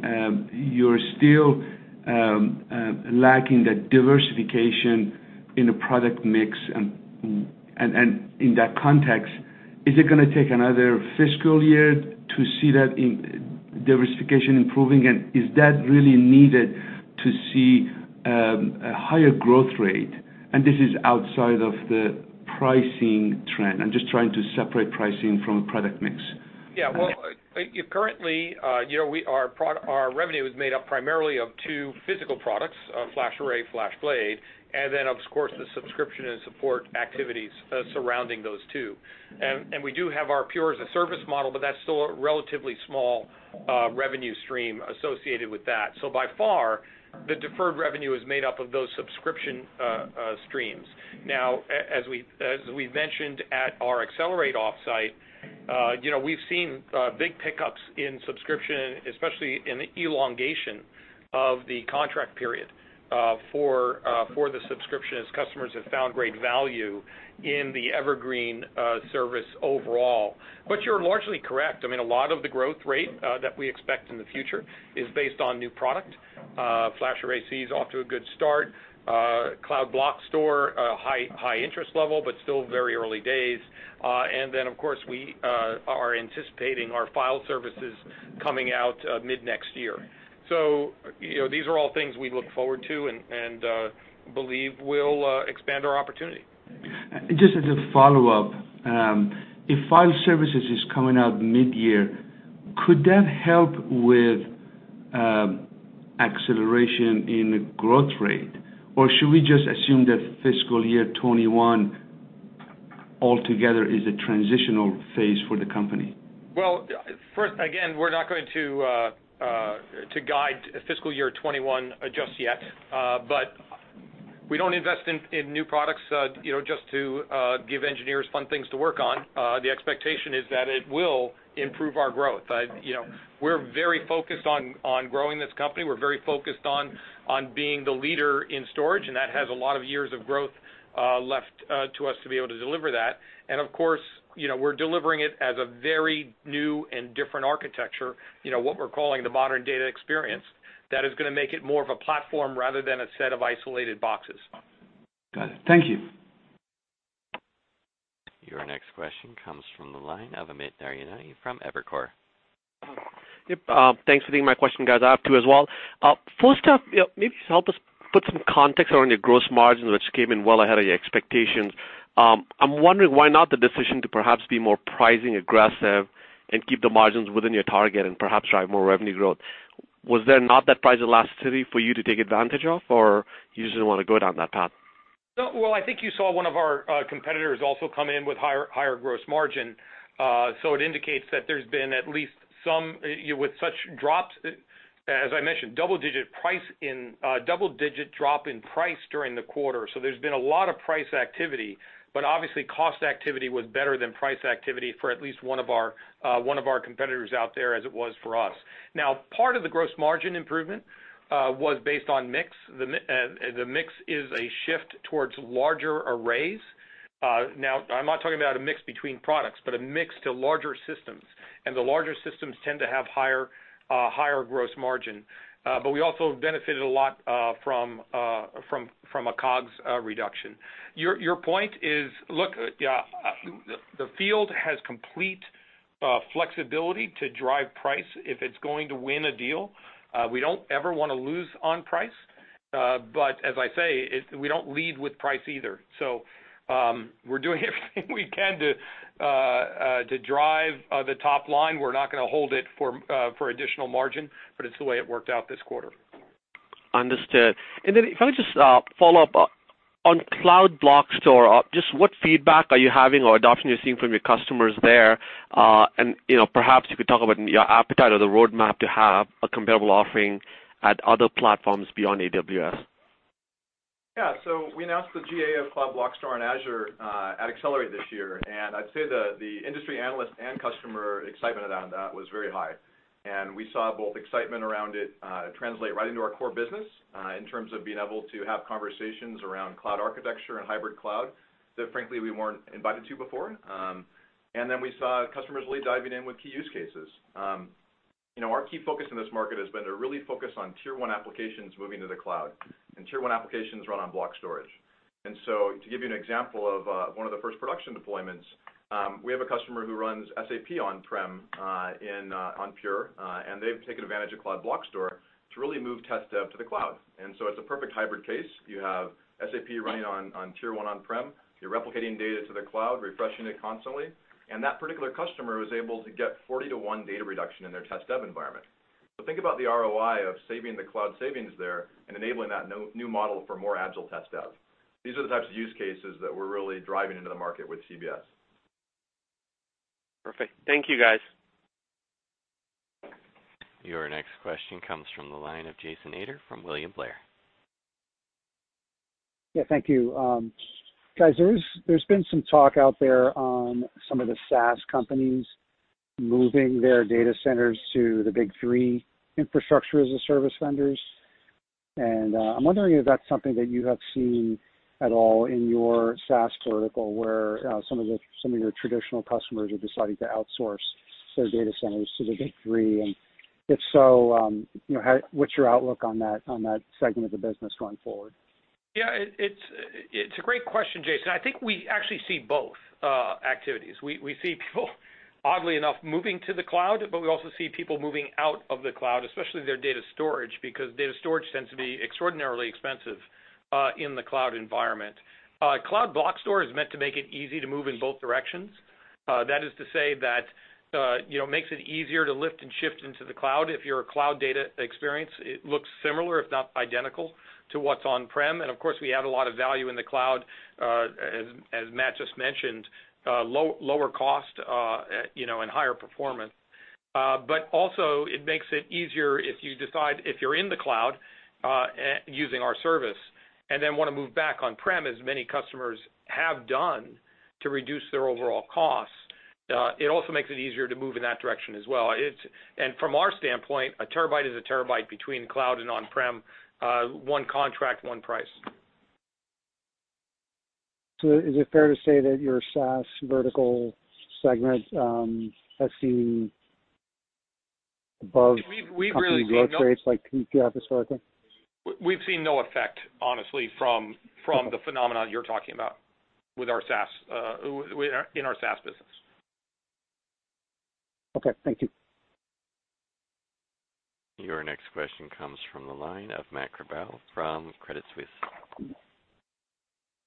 you're still lacking that diversification in the product mix. In that context, is it going to take another fiscal year to see that diversification improving? Is that really needed to see a higher growth rate? This is outside of the pricing trend. I'm just trying to separate pricing from product mix. Yeah. Currently, our revenue is made up primarily of two physical products, FlashArray, FlashBlade, then, of course, the subscription and support activities surrounding those two. We do have our Pure as-a-Service model, but that's still a relatively small revenue stream associated with that. By far, the deferred revenue is made up of those subscription streams. Now, as we mentioned at our Accelerate offsite, we've seen big pickups in subscription, especially in the elongation of the contract period for the subscription, as customers have found great value in the Evergreen Storage service overall. You're largely correct. I mean, a lot of the growth rate that we expect in the future is based on new product. FlashArray//C is off to a good start. Cloud Block Store, high interest level, but still very early days. Of course, we are anticipating our file services coming out mid next year. These are all things we look forward to and believe will expand our opportunity. Just as a follow-up, if file services is coming out mid-year, could that help with acceleration in the growth rate? Or should we just assume that fiscal year 2021 altogether is a transitional phase for the company? Well, first, again, we're not going to guide fiscal year 2021 just yet. We don't invest in new products just to give engineers fun things to work on. The expectation is that it will improve our growth. We're very focused on growing this company. We're very focused on being the leader in storage, that has a lot of years of growth left to us to be able to deliver that. Of course, we're delivering it as a very new and different architecture, what we're calling the Modern Data Experience, that is going to make it more of a platform rather than a set of isolated boxes. Got it. Thank you. Your next question comes from the line of Amit Daryanani from Evercore. Yep. Thanks for taking my question, guys. I have two as well. First up, maybe just help us put some context around your gross margin, which came in well ahead of your expectations. I'm wondering why not the decision to perhaps be more pricing aggressive and keep the margins within your target and perhaps drive more revenue growth. Was there not that price elasticity for you to take advantage of? You just didn't want to go down that path? Well, I think you saw one of our competitors also come in with higher gross margin. It indicates that there's been at least some, with such drops, as I mentioned, double-digit drop in price during the quarter. There's been a lot of price activity, but obviously cost activity was better than price activity for at least one of our competitors out there as it was for us. Now, part of the gross margin improvement was based on mix. The mix is a shift towards larger arrays. Now, I'm not talking about a mix between products, but a mix to larger systems, and the larger systems tend to have higher gross margin. We also benefited a lot from a COGS reduction. Your point is, look, the field has complete flexibility to drive price if it's going to win a deal. We don't ever want to lose on price. As I say, we don't lead with price either. We're doing everything we can to drive the top line. We're not going to hold it for additional margin, but it's the way it worked out this quarter. Understood. If I could just follow up, on Cloud Block Store, just what feedback are you having or adoption you're seeing from your customers there? Perhaps you could talk about your appetite or the roadmap to have a comparable offering at other platforms beyond AWS. Yeah. We announced the GA of Cloud Block Store on Azure at Accelerate this year. I'd say the industry analyst and customer excitement around that was very high. We saw both excitement around it translate right into our core business in terms of being able to have conversations around cloud architecture and hybrid cloud that frankly we weren't invited to before. We saw customers really diving in with key use cases. Our key focus in this market has been to really focus on tier 1 applications moving to the cloud. Tier 1 applications run on block storage. To give you an example of one of the first production deployments, we have a customer who runs SAP on-prem on Pure. They've taken advantage of Cloud Block Store to really move test dev to the cloud. It's a perfect hybrid case. You have SAP running on tier 1 on-prem. You're replicating data to the cloud, refreshing it constantly, that particular customer was able to get 40 to 1 data reduction in their test dev environment. Think about the ROI of saving the cloud savings there and enabling that new model for more agile test dev. These are the types of use cases that we're really driving into the market with CBS. Perfect. Thank you, guys. Your next question comes from the line of Jason Ader from William Blair. Yeah, thank you. Guys, there's been some talk out there on some of the SaaS companies moving their data centers to the big three infrastructure as a service vendors. I'm wondering if that's something that you have seen at all in your SaaS vertical, where some of your traditional customers are deciding to outsource their data centers to the big three, and if so, what's your outlook on that segment of the business going forward? Yeah. It's a great question, Jason. I think we actually see both activities. We see people, oddly enough, moving to the cloud, but we also see people moving out of the cloud, especially their data storage, because data storage tends to be extraordinarily expensive in the cloud environment. Cloud Block Store is meant to make it easy to move in both directions. That is to say that, it makes it easier to lift and shift into the cloud if your cloud data experience looks similar, if not identical, to what's on-prem. Of course, we add a lot of value in the cloud, as Matt just mentioned, lower cost, and higher performance. Also it makes it easier if you decide, if you're in the cloud using our service, and then want to move back on-prem, as many customers have done, to reduce their overall costs. It also makes it easier to move in that direction as well. From our standpoint, a terabyte is a terabyte between cloud and on-prem, one contract, one price. Is it fair to say that your SaaS vertical segment has seen above company- We've really seen no- growth rates like you have historically? We've seen no effect, honestly, from the phenomenon you're talking about in our SaaS business. Okay. Thank you. Your next question comes from the line of Matt Cabral from Credit Suisse.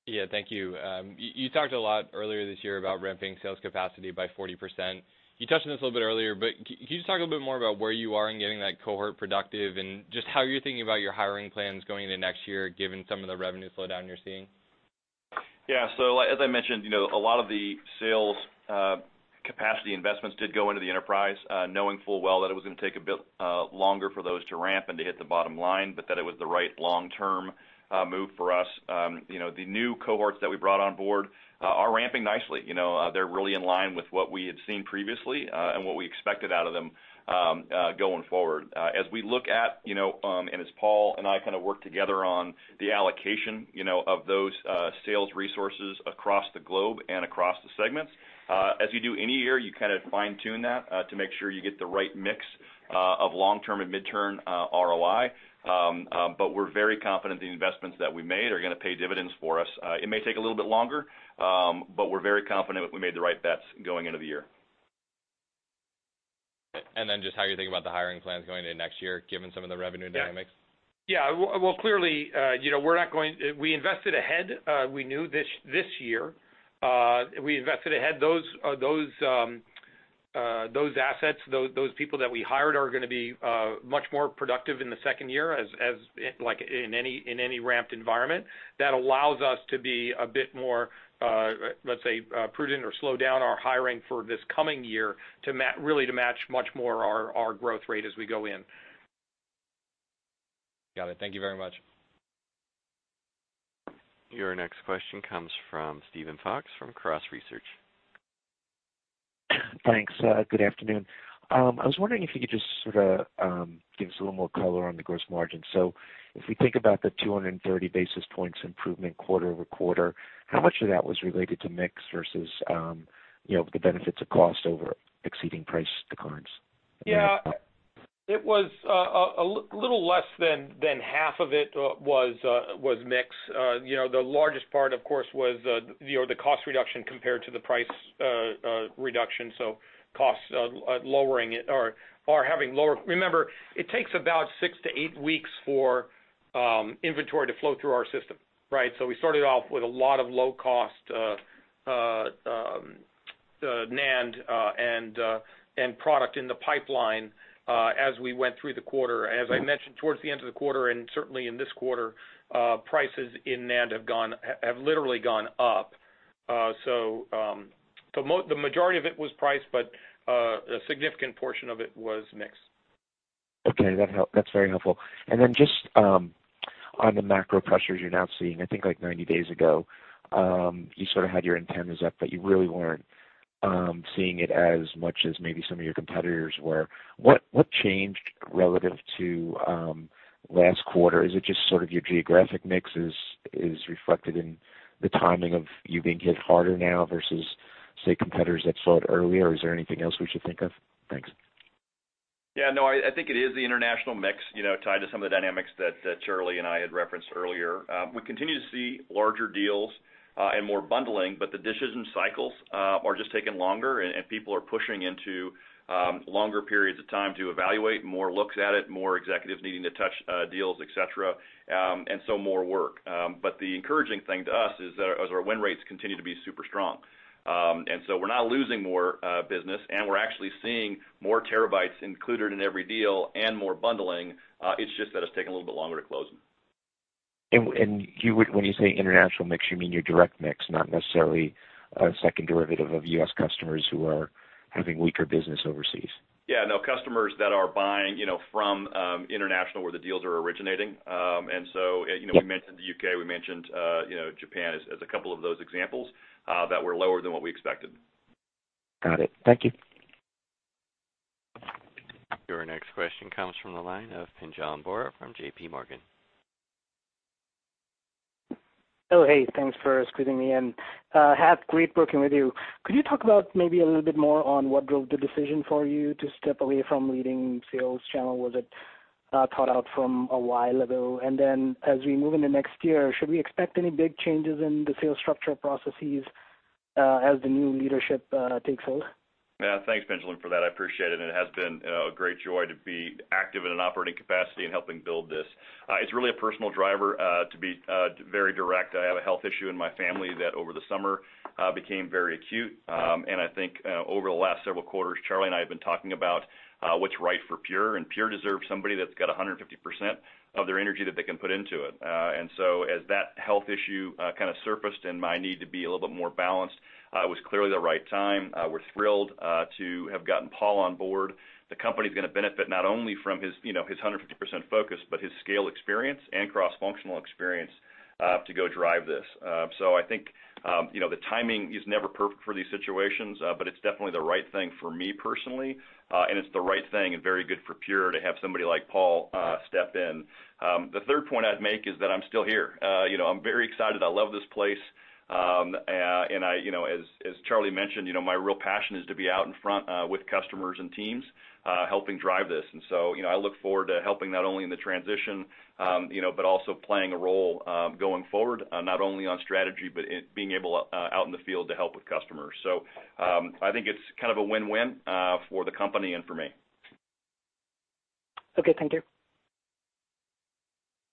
Yeah, thank you. You talked a lot earlier this year about ramping sales capacity by 40%. You touched on this a little bit earlier, can you just talk a little bit more about where you are in getting that cohort productive and just how you're thinking about your hiring plans going into next year, given some of the revenue slowdown you're seeing? As I mentioned, a lot of the sales capacity investments did go into the enterprise, knowing full well that it was going to take a bit longer for those to ramp and to hit the bottom line, but that it was the right long-term move for us. The new cohorts that we brought on board are ramping nicely. They're really in line with what we had seen previously, and what we expected out of them going forward. As we look at, as Paul and I kind of work together on the allocation of those sales resources across the globe and across the segments. As you do any year, you kind of fine-tune that to make sure you get the right mix of long-term and mid-term ROI. We're very confident the investments that we made are going to pay dividends for us. It may take a little bit longer, but we're very confident that we made the right bets going into the year. Just how you're thinking about the hiring plans going into next year, given some of the revenue dynamics. Yeah. Well, clearly, we invested ahead. We knew this year. We invested ahead those assets, those people that we hired are going to be much more productive in the second year, like in any ramped environment. That allows us to be a bit more, let's say, prudent or slow down our hiring for this coming year, really to match much more our growth rate as we go in. Got it. Thank you very much. Your next question comes from Steven Fox from Cross Research. Thanks. Good afternoon. I was wondering if you could just sort of give us a little more color on the gross margin. If we think about the 230 basis points improvement quarter-over-quarter, how much of that was related to mix versus the benefits of cost over exceeding price declines? Yeah. A little less than half of it was mix. The largest part, of course, was the cost reduction compared to the price reduction. Costs lowering it. Remember, it takes about six to eight weeks for inventory to flow through our system. Right? We started off with a lot of low-cost NAND and product in the pipeline as we went through the quarter. As I mentioned, towards the end of the quarter, and certainly in this quarter, prices in NAND have literally gone up. The majority of it was price, but a significant portion of it was mix. Okay. That's very helpful. Then just on the macro pressures you're now seeing, I think like 90 days ago, you sort of had your antennas up, but you really weren't seeing it as much as maybe some of your competitors were. What changed relative to last quarter? Is it just sort of your geographic mix is reflected in the timing of you being hit harder now versus, say, competitors that slowed earlier? Is there anything else we should think of? Thanks. Yeah, no, I think it is the international mix, tied to some of the dynamics that Charlie and I had referenced earlier. We continue to see larger deals and more bundling, but the decision cycles are just taking longer, and people are pushing into longer periods of time to evaluate, more looks at it, more executives needing to touch deals, et cetera, and so more work. The encouraging thing to us is our win rates continue to be super strong. We're not losing more business, and we're actually seeing more terabytes included in every deal and more bundling. It's just that it's taking a little bit longer to close them. When you say international mix, you mean your direct mix, not necessarily a second derivative of U.S. customers who are having weaker business overseas. Yeah, no, customers that are buying from international where the deals are originating. We mentioned the U.K., we mentioned Japan as a couple of those examples that were lower than what we expected. Got it. Thank you. Your next question comes from the line of Pinjalim Bora from JPMorgan. Hello. Hey, thanks for squeezing me in. Hat, great working with you. Could you talk about maybe a little bit more on what drove the decision for you to step away from leading sales channel? Was it thought out from a while ago? As we move into next year, should we expect any big changes in the sales structure processes as the new leadership takes hold? Yeah. Thanks, for that. I appreciate it. It has been a great joy to be active in an operating capacity in helping build this. It's really a personal driver, to be very direct. I had a health issue in my family that over the summer became very acute. I think over the last several quarters, Charlie and I have been talking about what's right for Pure deserves somebody that's got 150% of their energy that they can put into it. As that health issue kind of surfaced and my need to be a little bit more balanced, it was clearly the right time. We're thrilled to have gotten Paul on board. The company's going to benefit not only from his 150% focus, his scale experience and cross-functional experience to go drive this. I think the timing is never perfect for these situations, but it's definitely the right thing for me personally, and it's the right thing and very good for Pure to have somebody like Paul step in. The third point I'd make is that I'm still here. I'm very excited. I love this place. As Charlie mentioned, my real passion is to be out in front with customers and teams helping drive this. I look forward to helping not only in the transition, but also playing a role going forward, not only on strategy, but being able out in the field to help with customers. I think it's kind of a win-win for the company and for me. Okay. Thank you.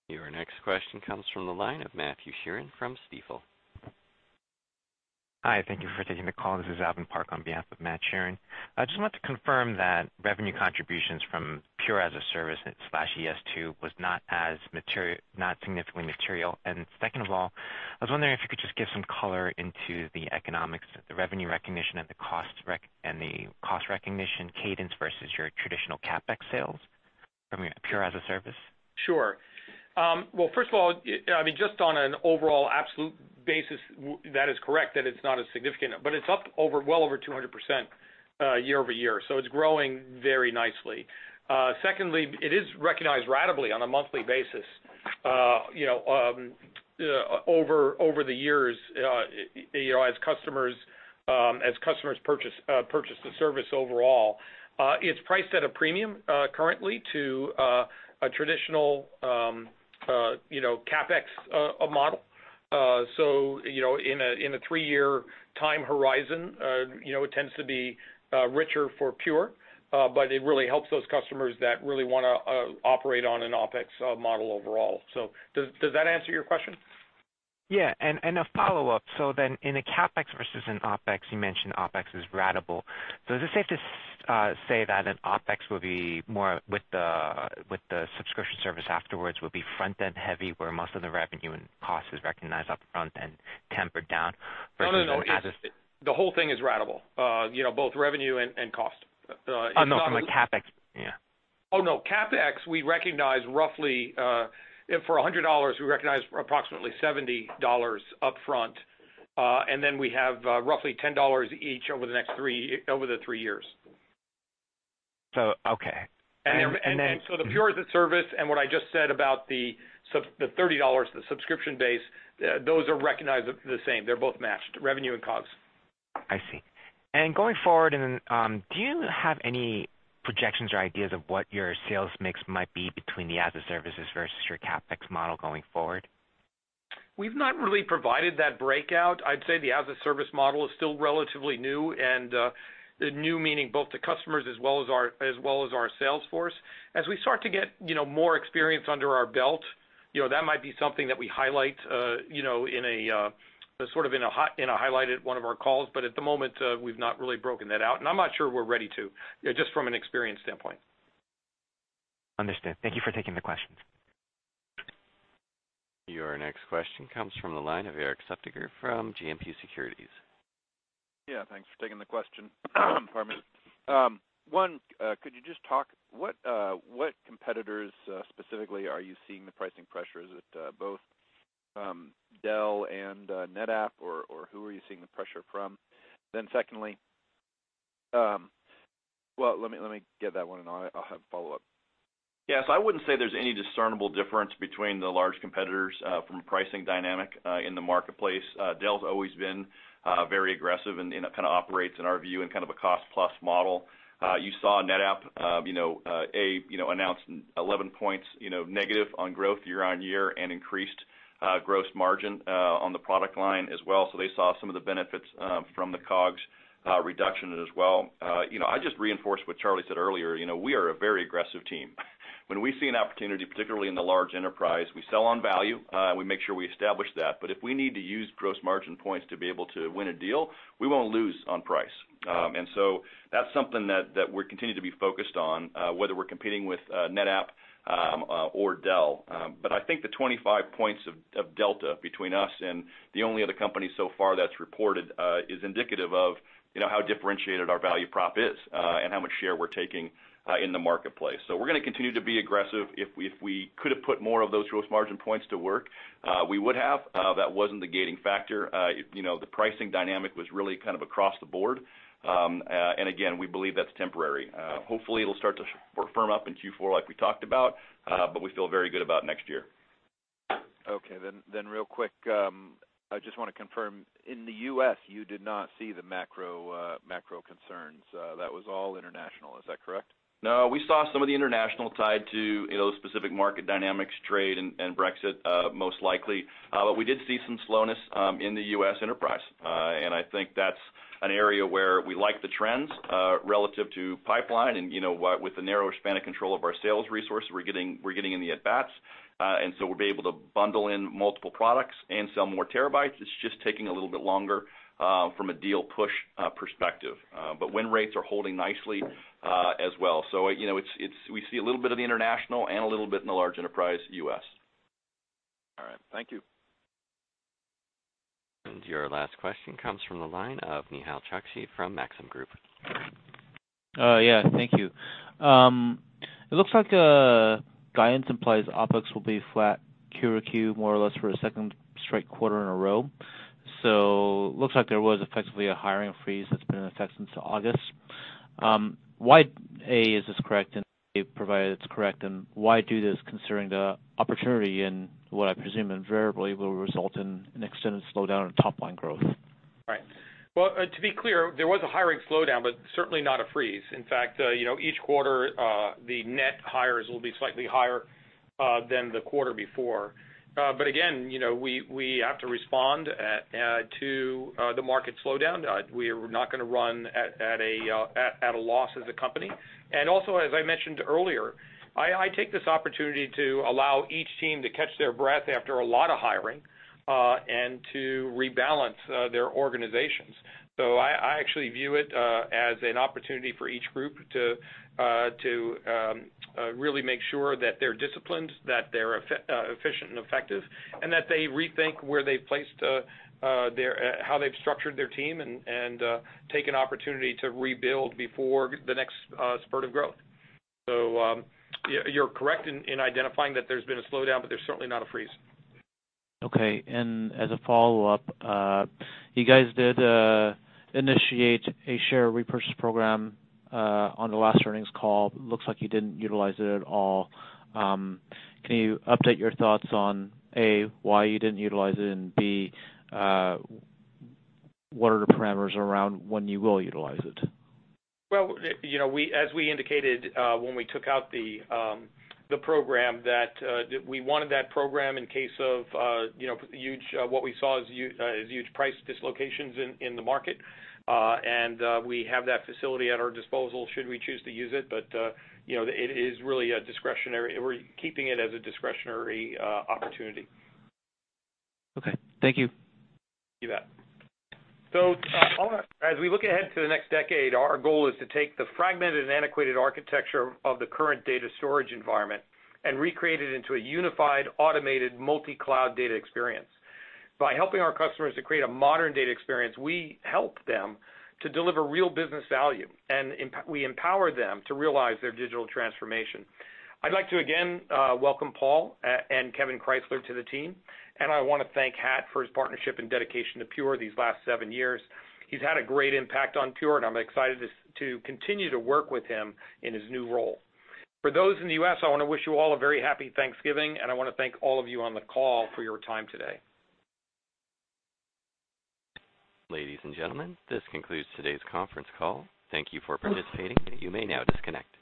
Your next question comes from the line of Matthew Sheerin from Stifel. Hi, thank you for taking the call. This is Alvin Park on behalf of Matthew Sheerin. I just wanted to confirm that revenue contributions from Pure as-a-Service/ES2 was not significantly material. Second of all, I was wondering if you could just give some color into the economics, the revenue recognition, and the cost recognition cadence versus your traditional CapEx sales from Pure as-a-Service. Sure. Well, first of all, just on an overall absolute basis, that is correct, that it's not as significant. It's up well over 200% year-over-year, so it's growing very nicely. Secondly, it is recognized ratably on a monthly basis over the years as customers purchase the service overall. It's priced at a premium currently to a traditional CapEx model. In a three-year time horizon, it tends to be richer for Pure, but it really helps those customers that really want to operate on an OpEx model overall. Does that answer your question? Yeah. A follow-up. In a CapEx versus an OpEx, you mentioned OpEx is ratable. Is it safe to say that an OpEx will be more with the subscription service afterwards will be front-end heavy where most of the revenue and cost is recognized up front and tempered down versus? No. The whole thing is ratable, both revenue and cost. No, from a CapEx. Yeah. Oh, no. CapEx, for $100, we recognize approximately $70 up front. And then we have roughly $10 each over the three years. Okay. The Pure as-a-Service and what I just said about the $30, the subscription base, those are recognized the same. They're both matched, revenue and COGS. I see. Going forward, do you have any projections or ideas of what your sales mix might be between the as a services versus your CapEx model going forward? We've not really provided that breakout. I'd say the as a service model is still relatively new, and new meaning both to customers as well as our sales force. As we start to get more experience under our belt, that might be something that we highlight in a highlighted one of our calls. At the moment, we've not really broken that out, and I'm not sure we're ready to, just from an experience standpoint. Understood. Thank you for taking the questions. Your next question comes from the line of Erik Suppiger from JMP Securities. Yeah. Thanks for taking the question. Pardon me. One, could you just talk what competitors specifically are you seeing the pricing pressure? Is it both Dell and NetApp, or who are you seeing the pressure from? Secondly Well, let me get that one, and I'll have a follow-up. Yes, I wouldn't say there's any discernible difference between the large competitors from a pricing dynamic in the marketplace. Dell's always been very aggressive and it kind of operates, in our view, in kind of a cost-plus model. You saw NetApp announce 11 points negative on growth year-over-year and increased gross margin on the product line as well. They saw some of the benefits from the COGS reduction as well. I just reinforce what Charlie said earlier. We are a very aggressive team. When we see an opportunity, particularly in the large enterprise, we sell on value. We make sure we establish that. If we need to use gross margin points to be able to win a deal, we won't lose on price. That's something that we continue to be focused on, whether we're competing with NetApp or Dell. I think the 25 points of delta between us and the only other company so far that's reported is indicative of how differentiated our value prop is and how much share we're taking in the marketplace. We're going to continue to be aggressive. If we could have put more of those gross margin points to work, we would have. That wasn't the gating factor. The pricing dynamic was really kind of across the board. Again, we believe that's temporary. Hopefully, it'll start to firm up in Q4 like we talked about, but we feel very good about next year. Okay, real quick, I just want to confirm, in the U.S. you did not see the macro concerns. That was all international, is that correct? No, we saw some of the international tied to specific market dynamics, trade and Brexit, most likely. We did see some slowness in the U.S. enterprise. I think that's an area where we like the trends relative to pipeline and with the narrower span of control of our sales resources, we're getting in the at-bats. So we'll be able to bundle in multiple products and sell more terabytes. It's just taking a little bit longer from a deal push perspective. Win rates are holding nicely as well. We see a little bit of the international and a little bit in the large enterprise U.S. All right. Thank you. Your last question comes from the line of Nehal Chokshi from Maxim Group. Yeah. Thank you. It looks like guidance implies OpEx will be flat Q over Q more or less for a second straight quarter in a row. Looks like there was effectively a hiring freeze that's been in effect since August. A, is this correct? B, provided it's correct, why do this considering the opportunity and what I presume invariably will result in an extended slowdown in top-line growth? Right. Well, to be clear, there was a hiring slowdown, but certainly not a freeze. In fact, each quarter the net hires will be slightly higher than the quarter before. Again, we have to respond to the market slowdown. We're not going to run at a loss as a company. Also, as I mentioned earlier, I take this opportunity to allow each team to catch their breath after a lot of hiring, and to rebalance their organizations. I actually view it as an opportunity for each group to really make sure that they're disciplined, that they're efficient and effective, and that they rethink how they've structured their team, and take an opportunity to rebuild before the next spurt of growth. You're correct in identifying that there's been a slowdown, but there's certainly not a freeze. Okay. As a follow-up, you guys did initiate a share repurchase program on the last earnings call. Looks like you didn't utilize it at all. Can you update your thoughts on, A, why you didn't utilize it, and B, what are the parameters around when you will utilize it? Well, as we indicated when we took out the program, that we wanted that program in case of what we saw as huge price dislocations in the market. We have that facility at our disposal should we choose to use it. We're keeping it as a discretionary opportunity. Okay. Thank you. You bet. As we look ahead to the next decade, our goal is to take the fragmented and antiquated architecture of the current data storage environment and recreate it into a unified, automated, multi-cloud data experience. By helping our customers to create a Modern Data Experience, we help them to deliver real business value, and we empower them to realize their digital transformation. I'd like to again welcome Paul and Kevan Krysler to the team, and I want to thank Hat for his partnership and dedication to Pure these last seven years. He's had a great impact on Pure, and I'm excited to continue to work with him in his new role. For those in the U.S., I want to wish you all a very happy Thanksgiving, and I want to thank all of you on the call for your time today. Ladies and gentlemen, this concludes today's conference call. Thank you for participating. You may now disconnect.